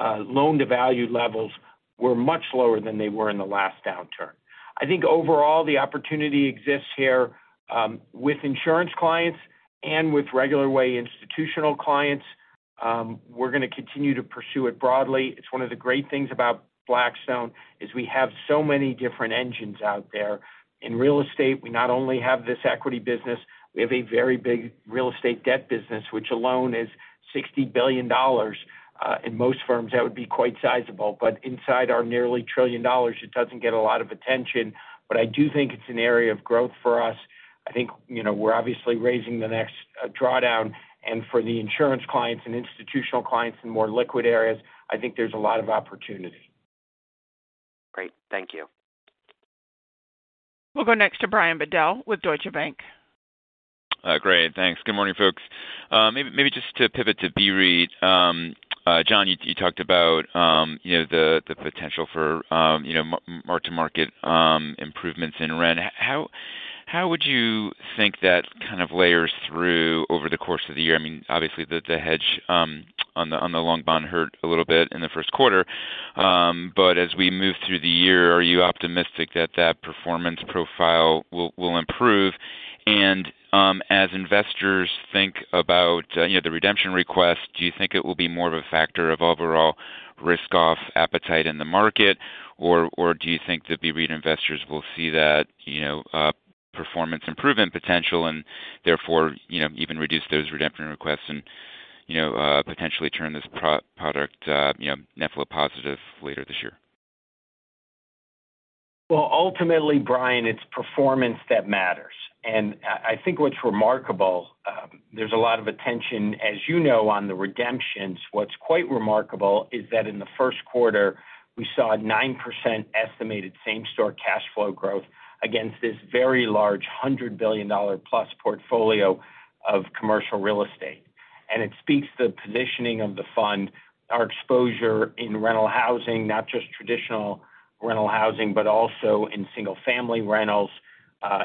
loan-to-value levels were much lower than they were in the last downturn. I think overall, the opportunity exists here, with insurance clients and with regular way institutional clients. We're gonna continue to pursue it broadly. It's one of the great things about Blackstone is we have so many different engines out there. In real estate, we not only have this equity business, we have a very big real estate debt business, which alone is $60 billion. In most firms, that would be quite sizable, but inside our nearly $1 trillion, it doesn't get a lot of attention. I do think it's an area of growth for us. I think, you know, we're obviously raising the next drawdown. For the insurance clients and institutional clients in more liquid areas, I think there's a lot of opportunity. Great. Thank you. We'll go next to Brian Bedell with Deutsche Bank. Great. Thanks. Good morning, folks. Maybe just to pivot to BREIT. Jon, you talked about, you know, the potential for, you know, mark-to-market improvements in rent. How would you think that kind of layers through over the course of the year? I mean, obviously the hedge on the long bond hurt a little bit in the first quarter. As we move through the year, are you optimistic that that performance profile will improve? As investors think about, you know, the redemption request, do you think it will be more of a factor of overall risk-off appetite in the market? Do you think that BREIT investors will see that, you know, performance improvement potential and therefore, you know, even reduce those redemption requests and, you know, potentially turn this pro-product, you know, net flow positive later this year? Well, ultimately, Brian, it's performance that matters. I think what's remarkable, there's a lot of attention, as you know, on the redemptions. What's quite remarkable is that in the first quarter, we saw a 9% estimated same-store cash flow growth against this very large $100+ billion portfolio of commercial real estate. It speaks to the positioning of the fund, our exposure in rental housing, not just traditional rental housing, but also in single-family rentals,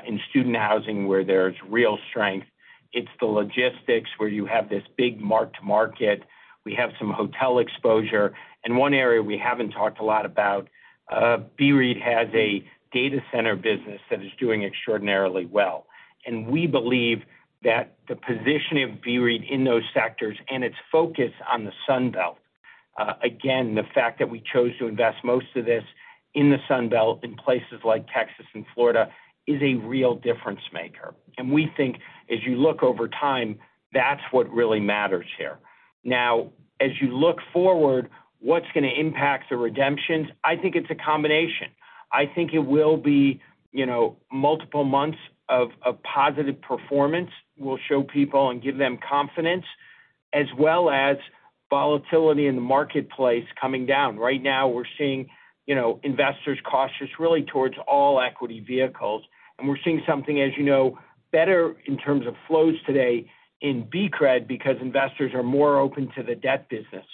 in student housing where there's real strength. It's the logistics where you have this big mark-to-market. We have some hotel exposure. One area we haven't talked a lot about, BREDS has a data center business that is doing extraordinarily well. We believe that the position of BREDS in those sectors and its focus on the Sun Belt, again, the fact that we chose to invest most of this in the Sun Belt in places like Texas and Florida is a real difference maker. We think as you look over time, that's what really matters here. Now, as you look forward, what's gonna impact the redemptions? I think it's a combination. I think it will be, you know, multiple months of positive performance will show people and give them confidence, as well as volatility in the marketplace coming down. Right now, we're seeing, you know, investors cautious really towards all equity vehicles. We're seeing something, as you know, better in terms of flows today in BCRED because investors are more open to the debt business.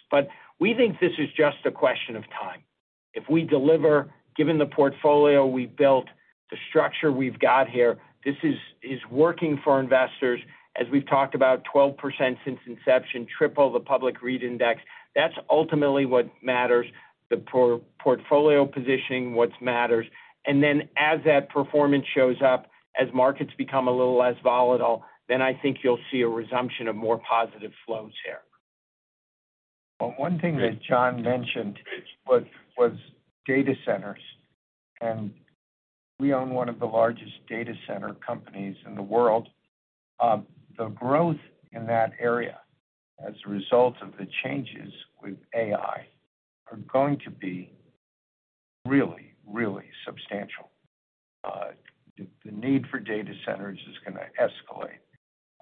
We think this is just a question of time. If we deliver, given the portfolio we built, the structure we've got here, this is working for investors as we've talked about 12% since inception, triple the public REIT index. That's ultimately what matters, the portfolio positioning, what matters. As that performance shows up, as markets become a little less volatile, then I think you'll see a resumption of more positive flows here. Well, one thing that John mentioned was data centers, and we own one of the largest data center companies in the world. The growth in that area as a result of the changes with AI are going to be really, really substantial. The need for data centers is gonna escalate.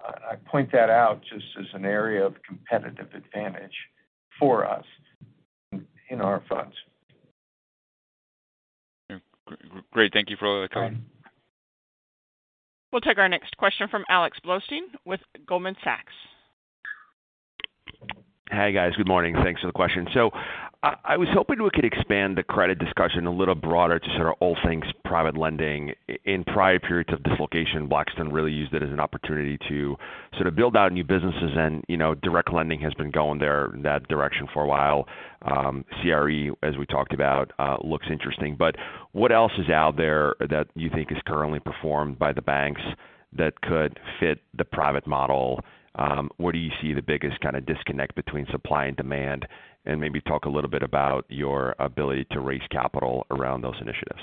I point that out just as an area of competitive advantage for us in our funds. Great. Thank you for all the color. We'll take our next question from Alex Blostein with Goldman Sachs. Hi, guys. Good morning. Thanks for the question. I was hoping we could expand the credit discussion a little broader to sort of all things private lending. In prior periods of dislocation, Blackstone really used it as an opportunity to sort of build out new businesses and, you know, direct lending has been going there in that direction for a while. CRE, as we talked about, looks interesting. What else is out there that you think is currently performed by the banks that could fit the private model? Where do you see the biggest kinda disconnect between supply and demand? Maybe talk a little bit about your ability to raise capital around those initiatives.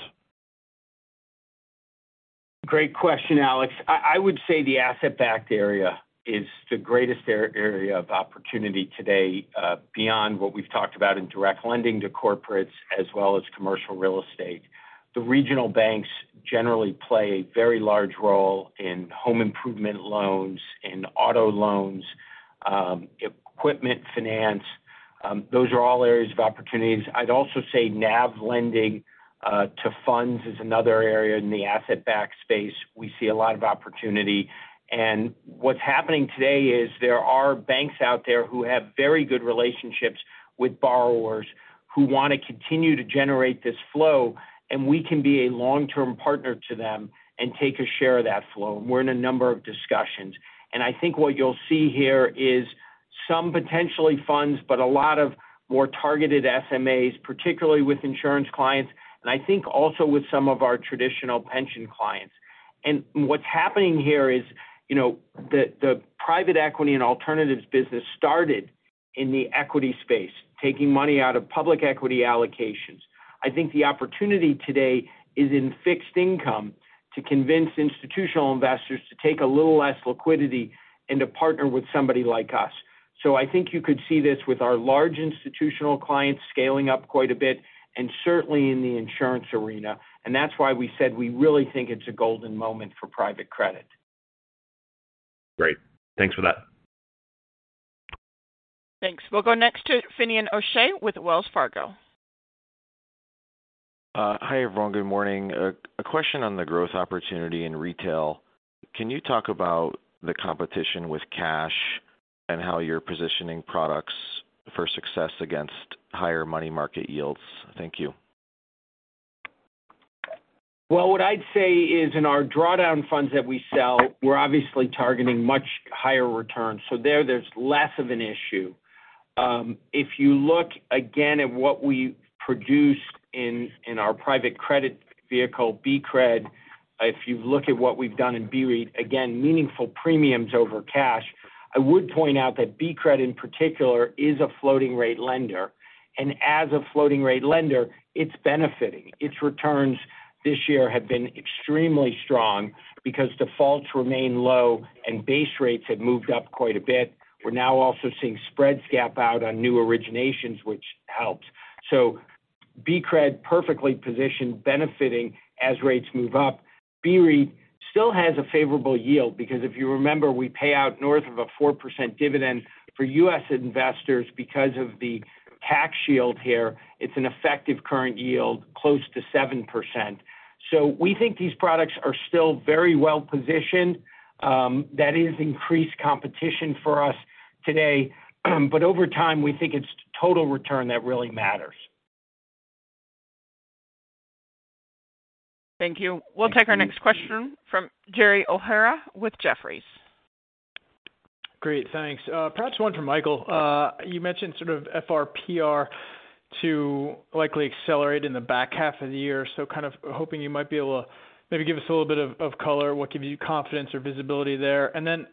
Great question, Alex. I would say the asset-backed area is the greatest area of opportunity today, beyond what we've talked about in direct lending to corporates as well as commercial real estate. The regional banks generally play a very large role in home improvement loans, in auto loans, equipment finance. Those are all areas of opportunities. I'd also say NAV lending to funds is another area in the asset-backed space we see a lot of opportunity. What's happening today is there are banks out there who have very good relationships with borrowers who wanna continue to generate this flow, and we can be a long-term partner to them and take a share of that flow. We're in a number of discussions. I think what you'll see here is some potentially funds, but a lot of more targeted SMAs, particularly with insurance clients, and I think also with some of our traditional pension clients. What's happening here is, you know, the private equity and alternatives business started in the equity space, taking money out of public equity allocations. I think the opportunity today is in fixed income to convince institutional investors to take a little less liquidity and to partner with somebody like us. I think you could see this with our large institutional clients scaling up quite a bit, and certainly in the insurance arena. That's why we said we really think it's a golden moment for private credit. Great. Thanks for that. Thanks. We'll go next to Finian O'Shea with Wells Fargo. Hi, everyone. Good morning. A question on the growth opportunity in retail. Can you talk about the competition with cash and how you're positioning products for success against higher money market yields? Thank you. Well, what I'd say is in our drawdown funds that we sell, we're obviously targeting much higher returns. there's less of an issue. if you look again at what we produced in our private credit vehicle, BCRED, if you look at what we've done in BREIT, again, meaningful premiums over cash. I would point out that BCRED in particular is a floating rate lender, and as a floating rate lender, it's benefiting. Its returns this year have been extremely strong because defaults remain low and base rates have moved up quite a bit. We're now also seeing spreads gap out on new originations, which helps. BCRED perfectly positioned benefiting as rates move up. BREIT still has a favorable yield because if you remember, we pay out north of a 4% dividend for U.S. investors because of the tax shield here. It's an effective current yield, close to 7%. That is increased competition for us today, but over time, we think it's total return that really matters. Thank you. We'll take our next question from Gerald O'Hara with Jefferies. Great. Thanks. Perhaps one for Michael. You mentioned sort of FRPR to likely accelerate in the back half of the year. Kind of hoping you might be able to maybe give us a little bit of color, what gives you confidence or visibility there?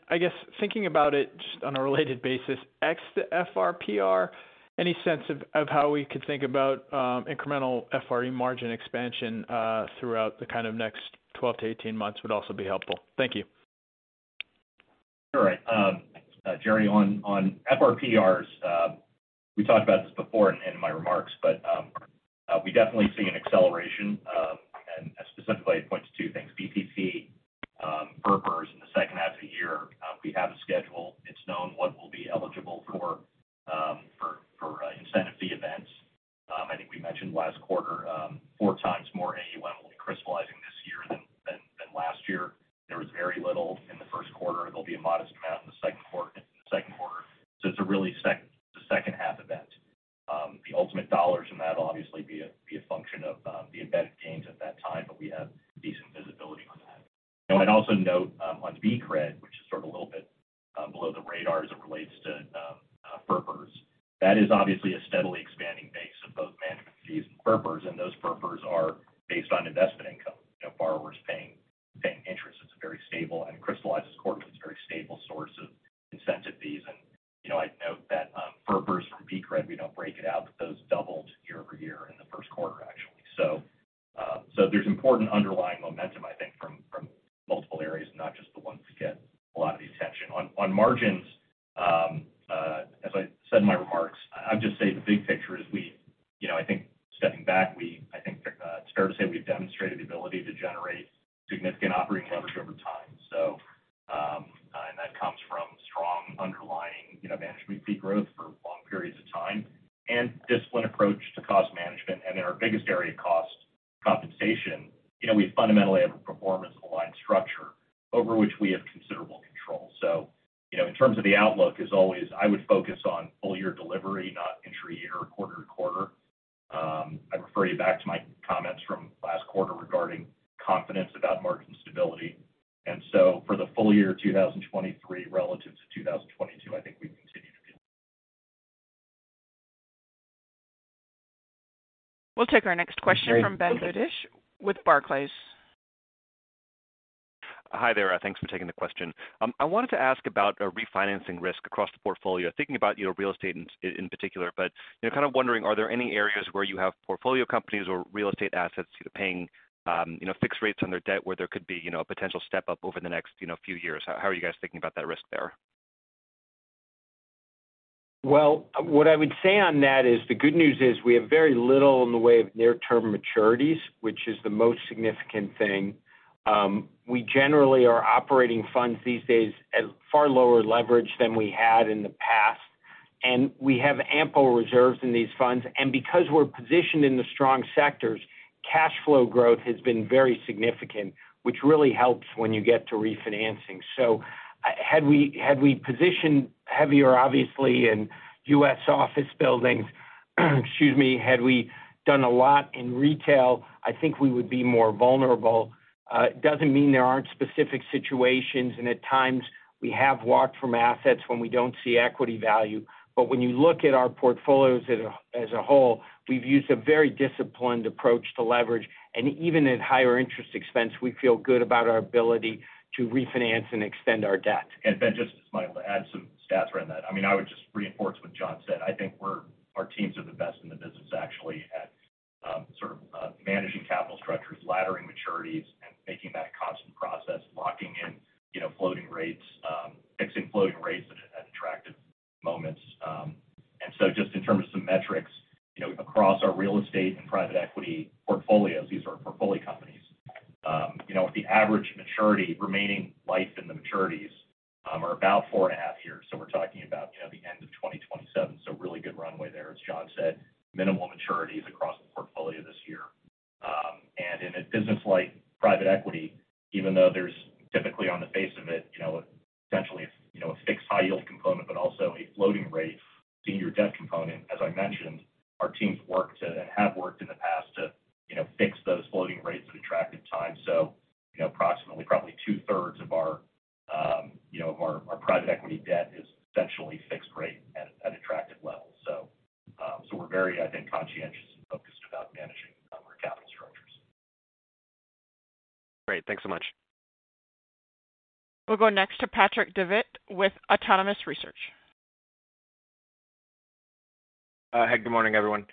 I guess thinking about it just on a related basis, X to FRPR, any sense of how we could think about incremental FRE margin expansion throughout the kind of next 12-18 months would also be helpful. Thank you. All right. Jerry, on FRPRs, we talked about this before in my remarks, but we definitely see an acceleration, and specifically it points to two things, BPC, FRPRs in the second half of the year. We have a schedule. It's known what will be eligible for is obviously What I would say on that is the good news is we have very little in the way of near-term maturities, which is the most significant thing. We generally are operating funds these days at far lower leverage than we had in the past, and we have ample reserves in these funds. Because we're positioned in the strong sectors, cash flow growth has been very significant, which really helps when you get to refinancing. Had we positioned heavier, obviously, in U.S. office buildings, excuse me, had we done a lot in retail, I think we would be more vulnerable. It doesn't mean there aren't specific situations, and at times we have walked from assets when we don't see equity value. When you look at our portfolios as a whole, we've used a very disciplined approach to leverage. Even at higher interest expense, we feel good about our ability to refinance and extend our debt. Ben, just as Michael to add some stats around that. I mean, I would just reinforce what Jon said. I think our teams are the best in the business, actually, at sort of managing capital structures, laddering maturities, and making that a constant process, locking in, you know, floating rates, fixing floating rates at attractive moments. Just in terms of some metrics, you know, across our real estate and private equity portfolios, these are portfolio companies. You know, the average maturity remaining life in the maturities are about four and a half years. So we're talking about, you know, the end of 2027. So really good runway there. As Jon said, minimal maturities across the portfolio this year. In a business like private equity, even though there's typically on the face of it, essentially, a fixed high yield component, but also a floating rate senior debt component, as I mentioned, our teams work to and have worked in the past to fix those floating rates at attractive times. Approximately probably 2/3 of our private equity debt is essentially fixed rate at attractive levels. We're very, I think, conscientious and focused about managing our capital structures. Great. Thanks so much. We'll go next to Patrick Davitt with Autonomous Research. Hey, good morning, everyone.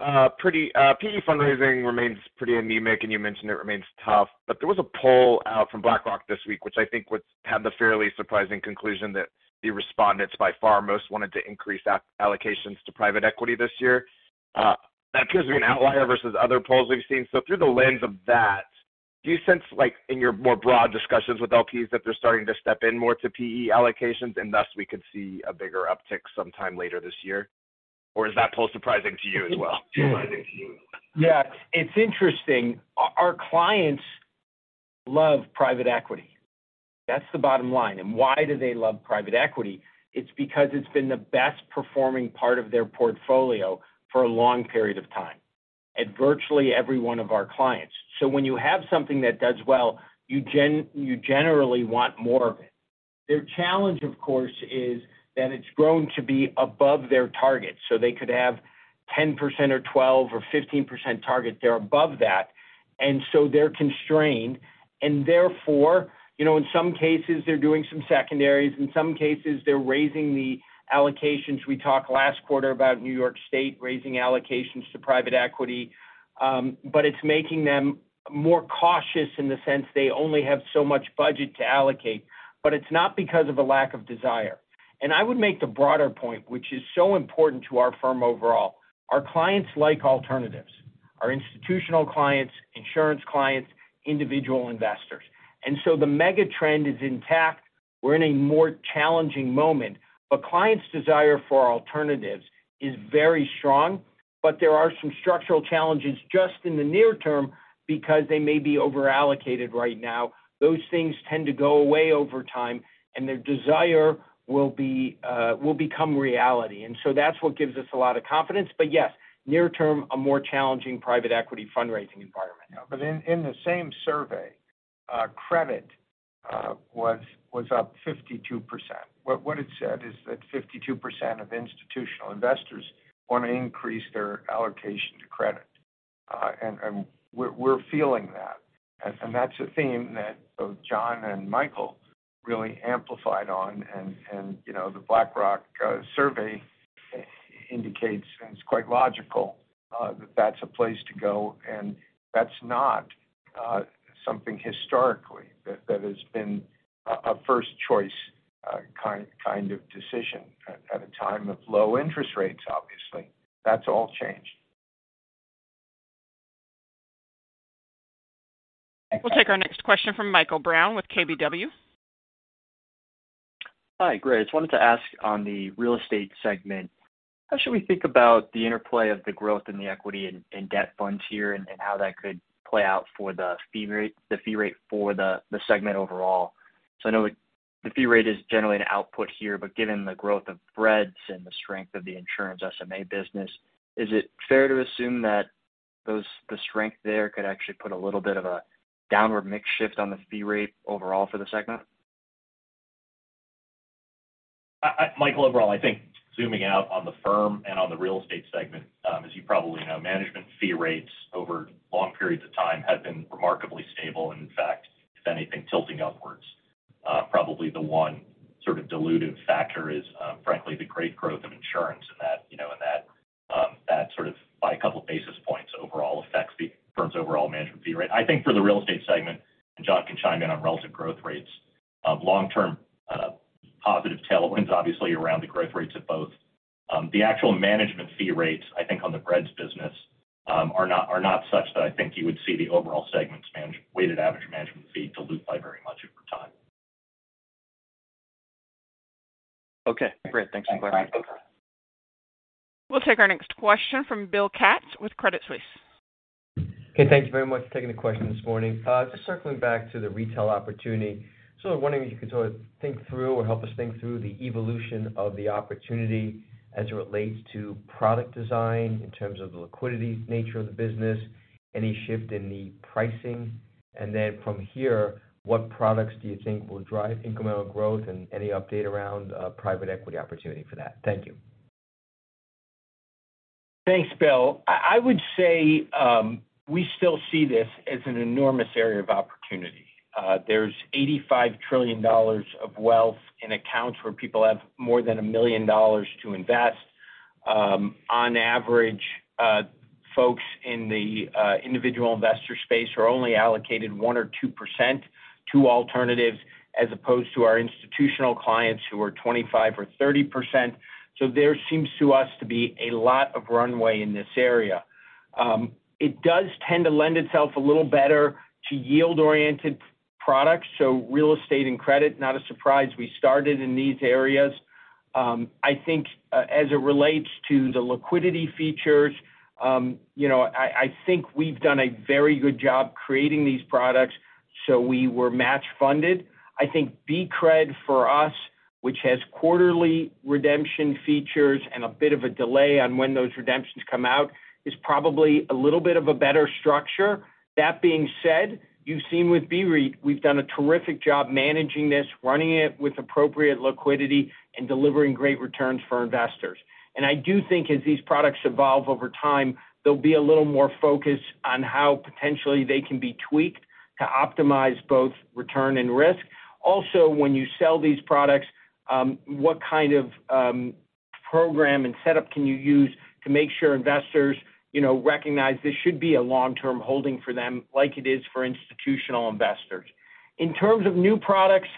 PE fundraising remains pretty anemic, and you mentioned it remains tough. There was a poll out from BlackRock this week, which I think had the fairly surprising conclusion that the respondents by far most wanted to increase allocations to private equity this year. That appears to be an outlier versus other polls we've seen. Through the lens of that, do you sense, like in your more broad discussions with LPs, that they're starting to step in more to PE allocations, and thus we could see a bigger uptick sometime later this year? Is that poll surprising to you as well? Yeah. It's interesting. Our clients love private equity. That's the bottom line. Why do they love private equity? It's because it's been the best performing part of their portfolio for a long period of time at virtually every one of our clients. When you have something that does well, you generally want more of it. Their challenge, of course, is that it's grown to be above their target. They could have 10% or 12% or 15% target. They're above that. They're constrained. Therefore, you know, in some cases, they're doing some secondaries. In some cases, they're raising the allocations. We talked last quarter about New York State raising allocations to private equity. It's making them more cautious in the sense they only have so much budget to allocate, but it's not because of a lack of desire. I would make the broader point, which is so important to our firm overall. Our clients like alternatives, our institutional clients, insurance clients, individual investors. The mega trend is intact. We're in a more challenging moment, but clients' desire for alternatives is very strong. There are some structural challenges just in the near term because they may be over-allocated right now. Those things tend to go away over time, and their desire will become reality. That's what gives us a lot of confidence. Yes, near term, a more challenging private equity fundraising environment. In the same survey, credit was up 52%. What it said is that 52% of institutional investors want to increase their allocation to credit. We're feeling that. That's a theme that both Jon and Michael really amplified on. You know, the BlackRock survey indicates, and it's quite logical, that that's a place to go. That's not something historically that has been a first choice kind of decision at a time of low interest rates, obviously. That's all changed. We'll take our next question from Michael Brown with KBW. Hi. Great. Just wanted to ask on the real estate segment, how should we think about the interplay of the growth in the equity and debt funds here, and how that could play out for the fee rate for the segment overall? I know the fee rate is generally an output here, but given the growth of spreads and the strength of the insurance SMA business, is it fair to assume that the strength there could actually put a little bit of a downward mix shift on the fee rate overall for the segment? I Michael, overall, I think zooming out on the firm and on the real estate segment, as you probably know, management fee rates over long periods of time have been remarkably stable, and in fact, if anything, tilting upwards. Probably the one sort of dilutive factor is, frankly, the great growth of insurance in that, you know, sort of by a couple basis points overall affects the firm's overall management fee rate. I think for the real estate segment, and Jon can chime in on relative growth rates, long-term, positive tailwinds obviously around the growth rates of both. The actual management fee rates, I think on the BREDS business, are not such that I think you would see the overall segments weighted average management fee dilute by very much over time. Okay, great. Thanks so much. Thanks. We'll take our next question from Bill Katz with Credit Suisse. Thank you very much for taking the question this morning. Just circling back to the retail opportunity. Wondering if you could sort of think through or help us think through the evolution of the opportunity as it relates to product design in terms of the liquidity nature of the business, any shift in the pricing. From here, what products do you think will drive incremental growth, and any update around private equity opportunity for that? Thank you. Thanks, Bill. I would say, we still see this as an enormous area of opportunity. There's $85 trillion of wealth in accounts where people have more than $1 million to invest. On average, folks in the individual investor space are only allocated 1% or 2% to alternatives as opposed to our institutional clients who are 25% or 30%. There seems to us to be a lot of runway in this area. It does tend to lend itself a little better to yield-oriented products, so real estate and credit. Not a surprise we started in these areas. I think as it relates to the liquidity features, you know, I think we've done a very good job creating these products, so we were match funded. I think BCRED for us, which has quarterly redemption features and a bit of a delay on when those redemptions come out, is probably a little bit of a better structure. That being said, you've seen with BREIT, we've done a terrific job managing this, running it with appropriate liquidity and delivering great returns for investors. I do think as these products evolve over time, they'll be a little more focused on how potentially they can be tweaked to optimize both return and risk. Also, when you sell these products, what kind of program and setup can you use to make sure investors, you know, recognize this should be a long-term holding for them like it is for institutional investors. In terms of new products,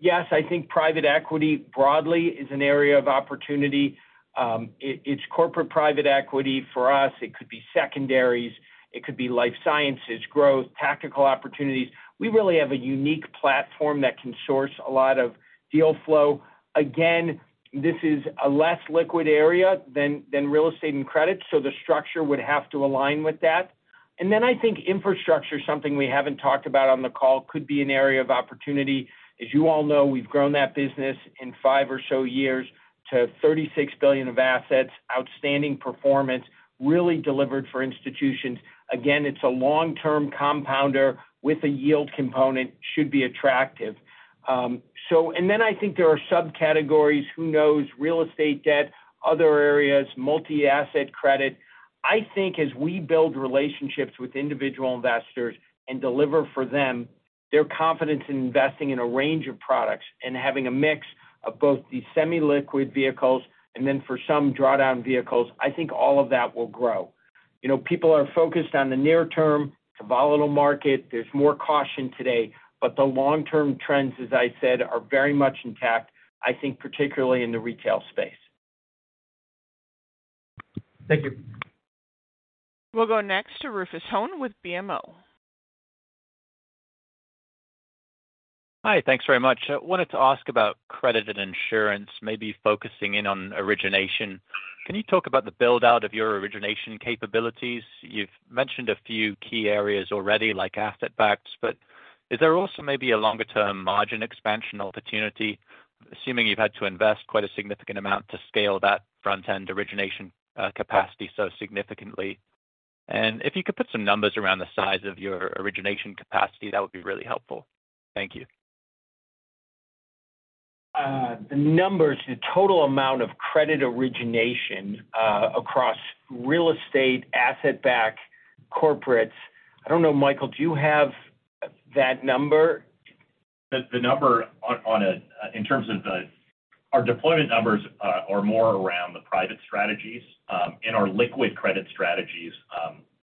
yes, I think private equity broadly is an area of opportunity. It's corporate private equity for us, it could be secondaries, it could be life sciences, growth, tactical opportunities. We really have a unique platform that can source a lot of deal flow. Again, this is a less liquid area than real estate and credit, so the structure would have to align with that. I think infrastructure, something we haven't talked about on the call, could be an area of opportunity. As you all know, we've grown that business in five or so years to $36 billion of assets. Outstanding performance, really delivered for institutions. Again, it's a long-term compounder with a yield component, should be attractive. I think there are subcategories. Who knows? Real estate debt, other areas, multi-asset credit. I think as we build relationships with individual investors and deliver for them, their confidence in investing in a range of products and having a mix of both these semi-liquid vehicles and then for some drawdown vehicles, I think all of that will grow. You know, people are focused on the near term. It's a volatile market. There's more caution today, but the long-term trends, as I said, are very much intact, I think particularly in the retail space. Thank you. We'll go next to Rufus Hone with BMO. Hi, thanks very much. I wanted to ask about credit and insurance, maybe focusing in on origination. Can you talk about the build-out of your origination capabilities? You've mentioned a few key areas already, like asset backs, but is there also maybe a longer-term margin expansion opportunity, assuming you've had to invest quite a significant amount to scale that front-end origination capacity so significantly? If you could put some numbers around the size of your origination capacity, that would be really helpful. Thank you. The numbers, the total amount of credit origination, across real estate, asset backed corporates. I don't know, Michael, do you have that number? Our deployment numbers are more around the private strategies. In our liquid credit strategies,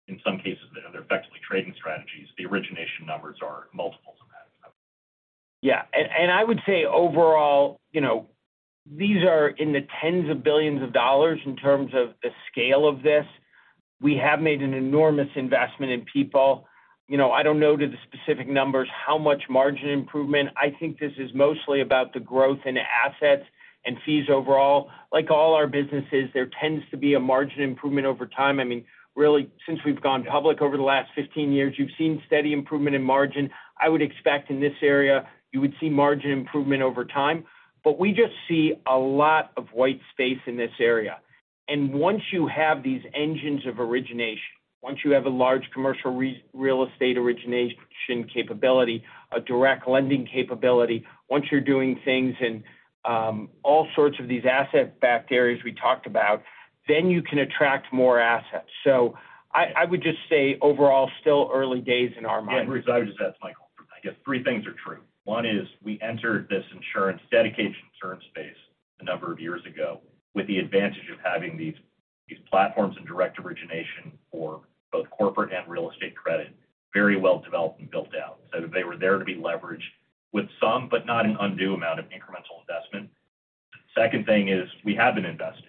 in some cases they're effectively trading strategies. The origination numbers are multiples of that. Yeah. I would say overall, you know, these are in the tens of billions of dollars in terms of the scale of this. We have made an enormous investment in people. You know, I don't know the specific numbers, how much margin improvement. I think this is mostly about the growth in assets and fees overall. Like all our businesses, there tends to be a margin improvement over time. I mean, really, since we've gone public over the last 15 years, you've seen steady improvement in margin. I would expect in this area you would see margin improvement over time. We just see a lot of white space in this area. Once you have these engines of origination, once you have a large commercial real estate origination capability, a direct lending capability, once you're doing things in all sorts of these asset-backed areas we talked about, then you can attract more. I would just say overall, still early days in our mind. Rufus, I would just add to Michael. I guess three things are true. One is we entered this insurance, dedicated insurance space a number of years ago with the advantage of having these platforms and direct origination for both corporate and real estate credit very well developed and built out, so that they were there to be leveraged with some, but not an undue amount of incremental investment. Second thing is we have been investing.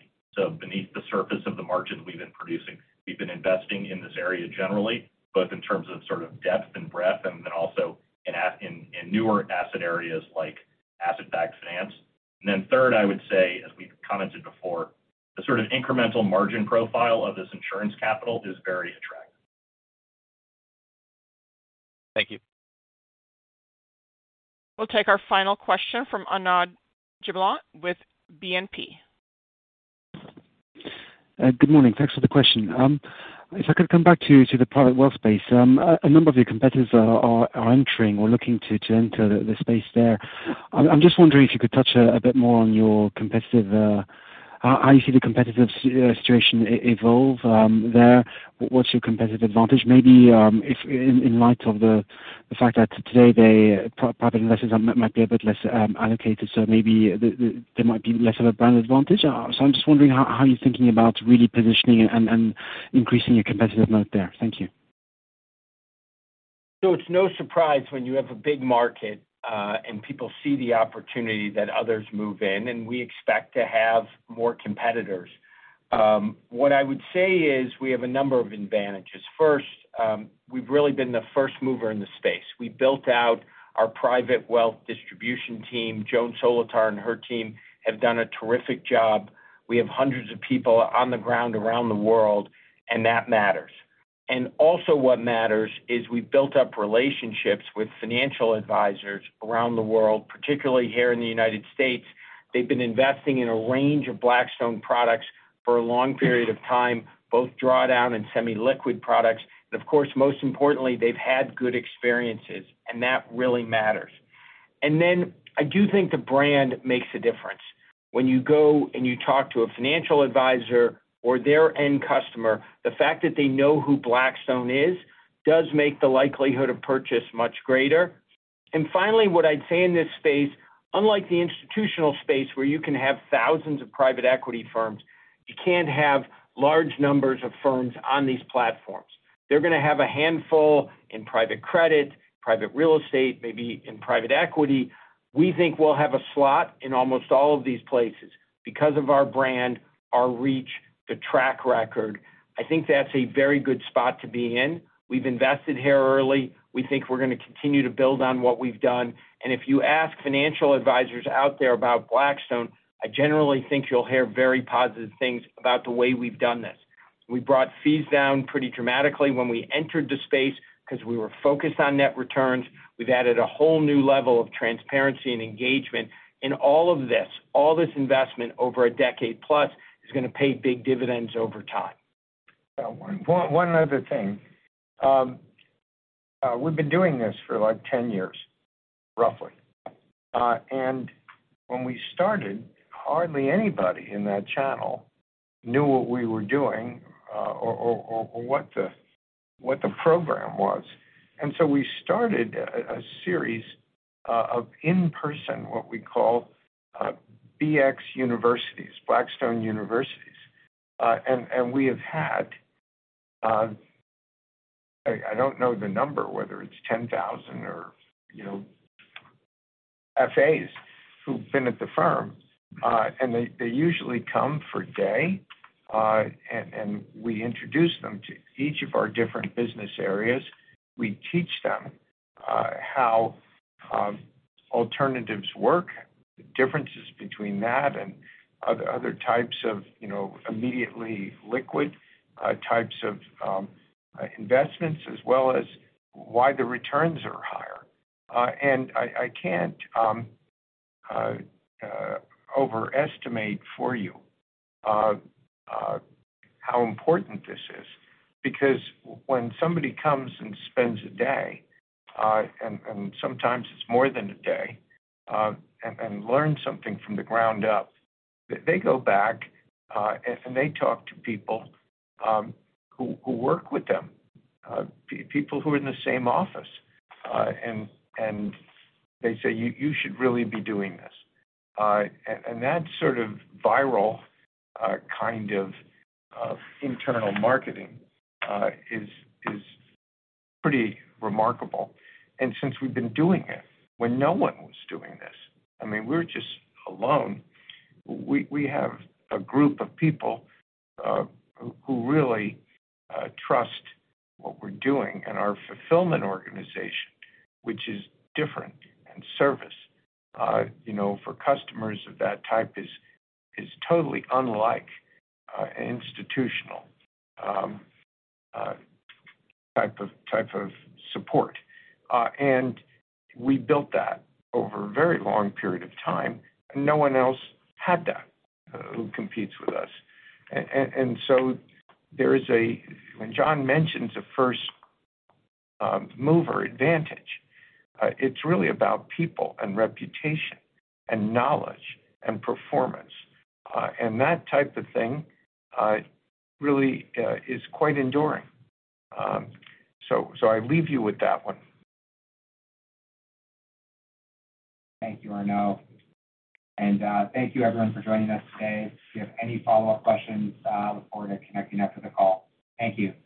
Beneath the surface of the margins we've been producing, we've been investing in this area generally, both in terms of sort of depth and breadth and also in newer asset areas like asset-backed finance. Third, I would say, as we've commented before, the sort of incremental margin profile of this insurance capital is very attractive. Thank you. We'll take our final question from Arnaud Giblat with BNP. Good morning. Thanks for the question. If I could come back to the private wealth space. A number of your competitors are entering or looking to enter the space there. I'm just wondering if you could touch a bit more on your competitive... How you see the competitive situation evolve there. What's your competitive advantage? Maybe if in light of the fact that today private investors might be a bit less allocated, so maybe there might be less of a brand advantage. I'm just wondering how you're thinking about really positioning and increasing your competitive moat there. Thank you. It's no surprise when you have a big market, and people see the opportunity that others move in, and we expect to have more competitors. What I would say is we have a number of advantages. First, we've really been the first mover in the space. We built out our private wealth distribution team. Joan Solotar and her team have done a terrific job. We have hundreds of people on the ground around the world, and that matters. Also what matters is we've built up relationships with financial advisors around the world, particularly here in the United States. They've been investing in a range of Blackstone products for a long period of time, both drawdown and semi-liquid products. Of course, most importantly, they've had good experiences, and that really matters. I do think the brand makes a difference. When you go and you talk to a financial advisor or their end customer, the fact that they know who Blackstone is does make the likelihood of purchase much greater. Finally, what I'd say in this space, unlike the institutional space where you can have thousands of private equity firms, you can't have large numbers of firms on these platforms. They're gonna have a handful in private credit, private real estate, maybe in private equity. We think we'll have a slot in almost all of these places because of our brand, our reach, the track record. I think that's a very good spot to be in. We've invested here early. We think we're gonna continue to build on what we've done. If you ask financial advisors out there about Blackstone, I generally think you'll hear very positive things about the way we've done this. We brought fees down pretty dramatically when we entered the space because we were focused on net returns. We've added a whole new level of transparency and engagement. In all of this, all this investment over a decade plus is gonna pay big dividends over time. One other thing. We've been doing this for like 10 years, roughly. When we started, hardly anybody in that channel knew what we were doing, or what the program was. We started a series of in-person what we call Blackstone University, Blackstone universities. We have had, I don't know the number, whether it's 10,000 or, you know, FAs who've been at the firm. They usually come for a day, and we introduce them to each of our different business areas. We teach them how alternatives work, the differences between that and other types of, you know, immediately liquid types of investments, as well as why the returns are higher. I can't overestimate for you how important this is. Because when somebody comes and spends a day, and sometimes it's more than a day, and learn something from the ground up, they go back, and they talk to people who work with them, people who are in the same office. They say, "You should really be doing this." That sort of viral kind of internal marketing is pretty remarkable. Since we've been doing it when no one was doing this, I mean, we're just alone. We have a group of people who really trust what we're doing and our fulfillment organization, which is different, and service, you know, for customers of that type is totally unlike institutional type of support. We built that over a very long period of time, and no one else had that who competes with us. There is a... When Jon mentions a first mover advantage, it's really about people and reputation and knowledge and performance. That type of thing really is quite enduring. I leave you with that one. Thank you, Arnaud. Thank you everyone for joining us today. If you have any follow-up questions, look forward to connecting after the call. Thank you.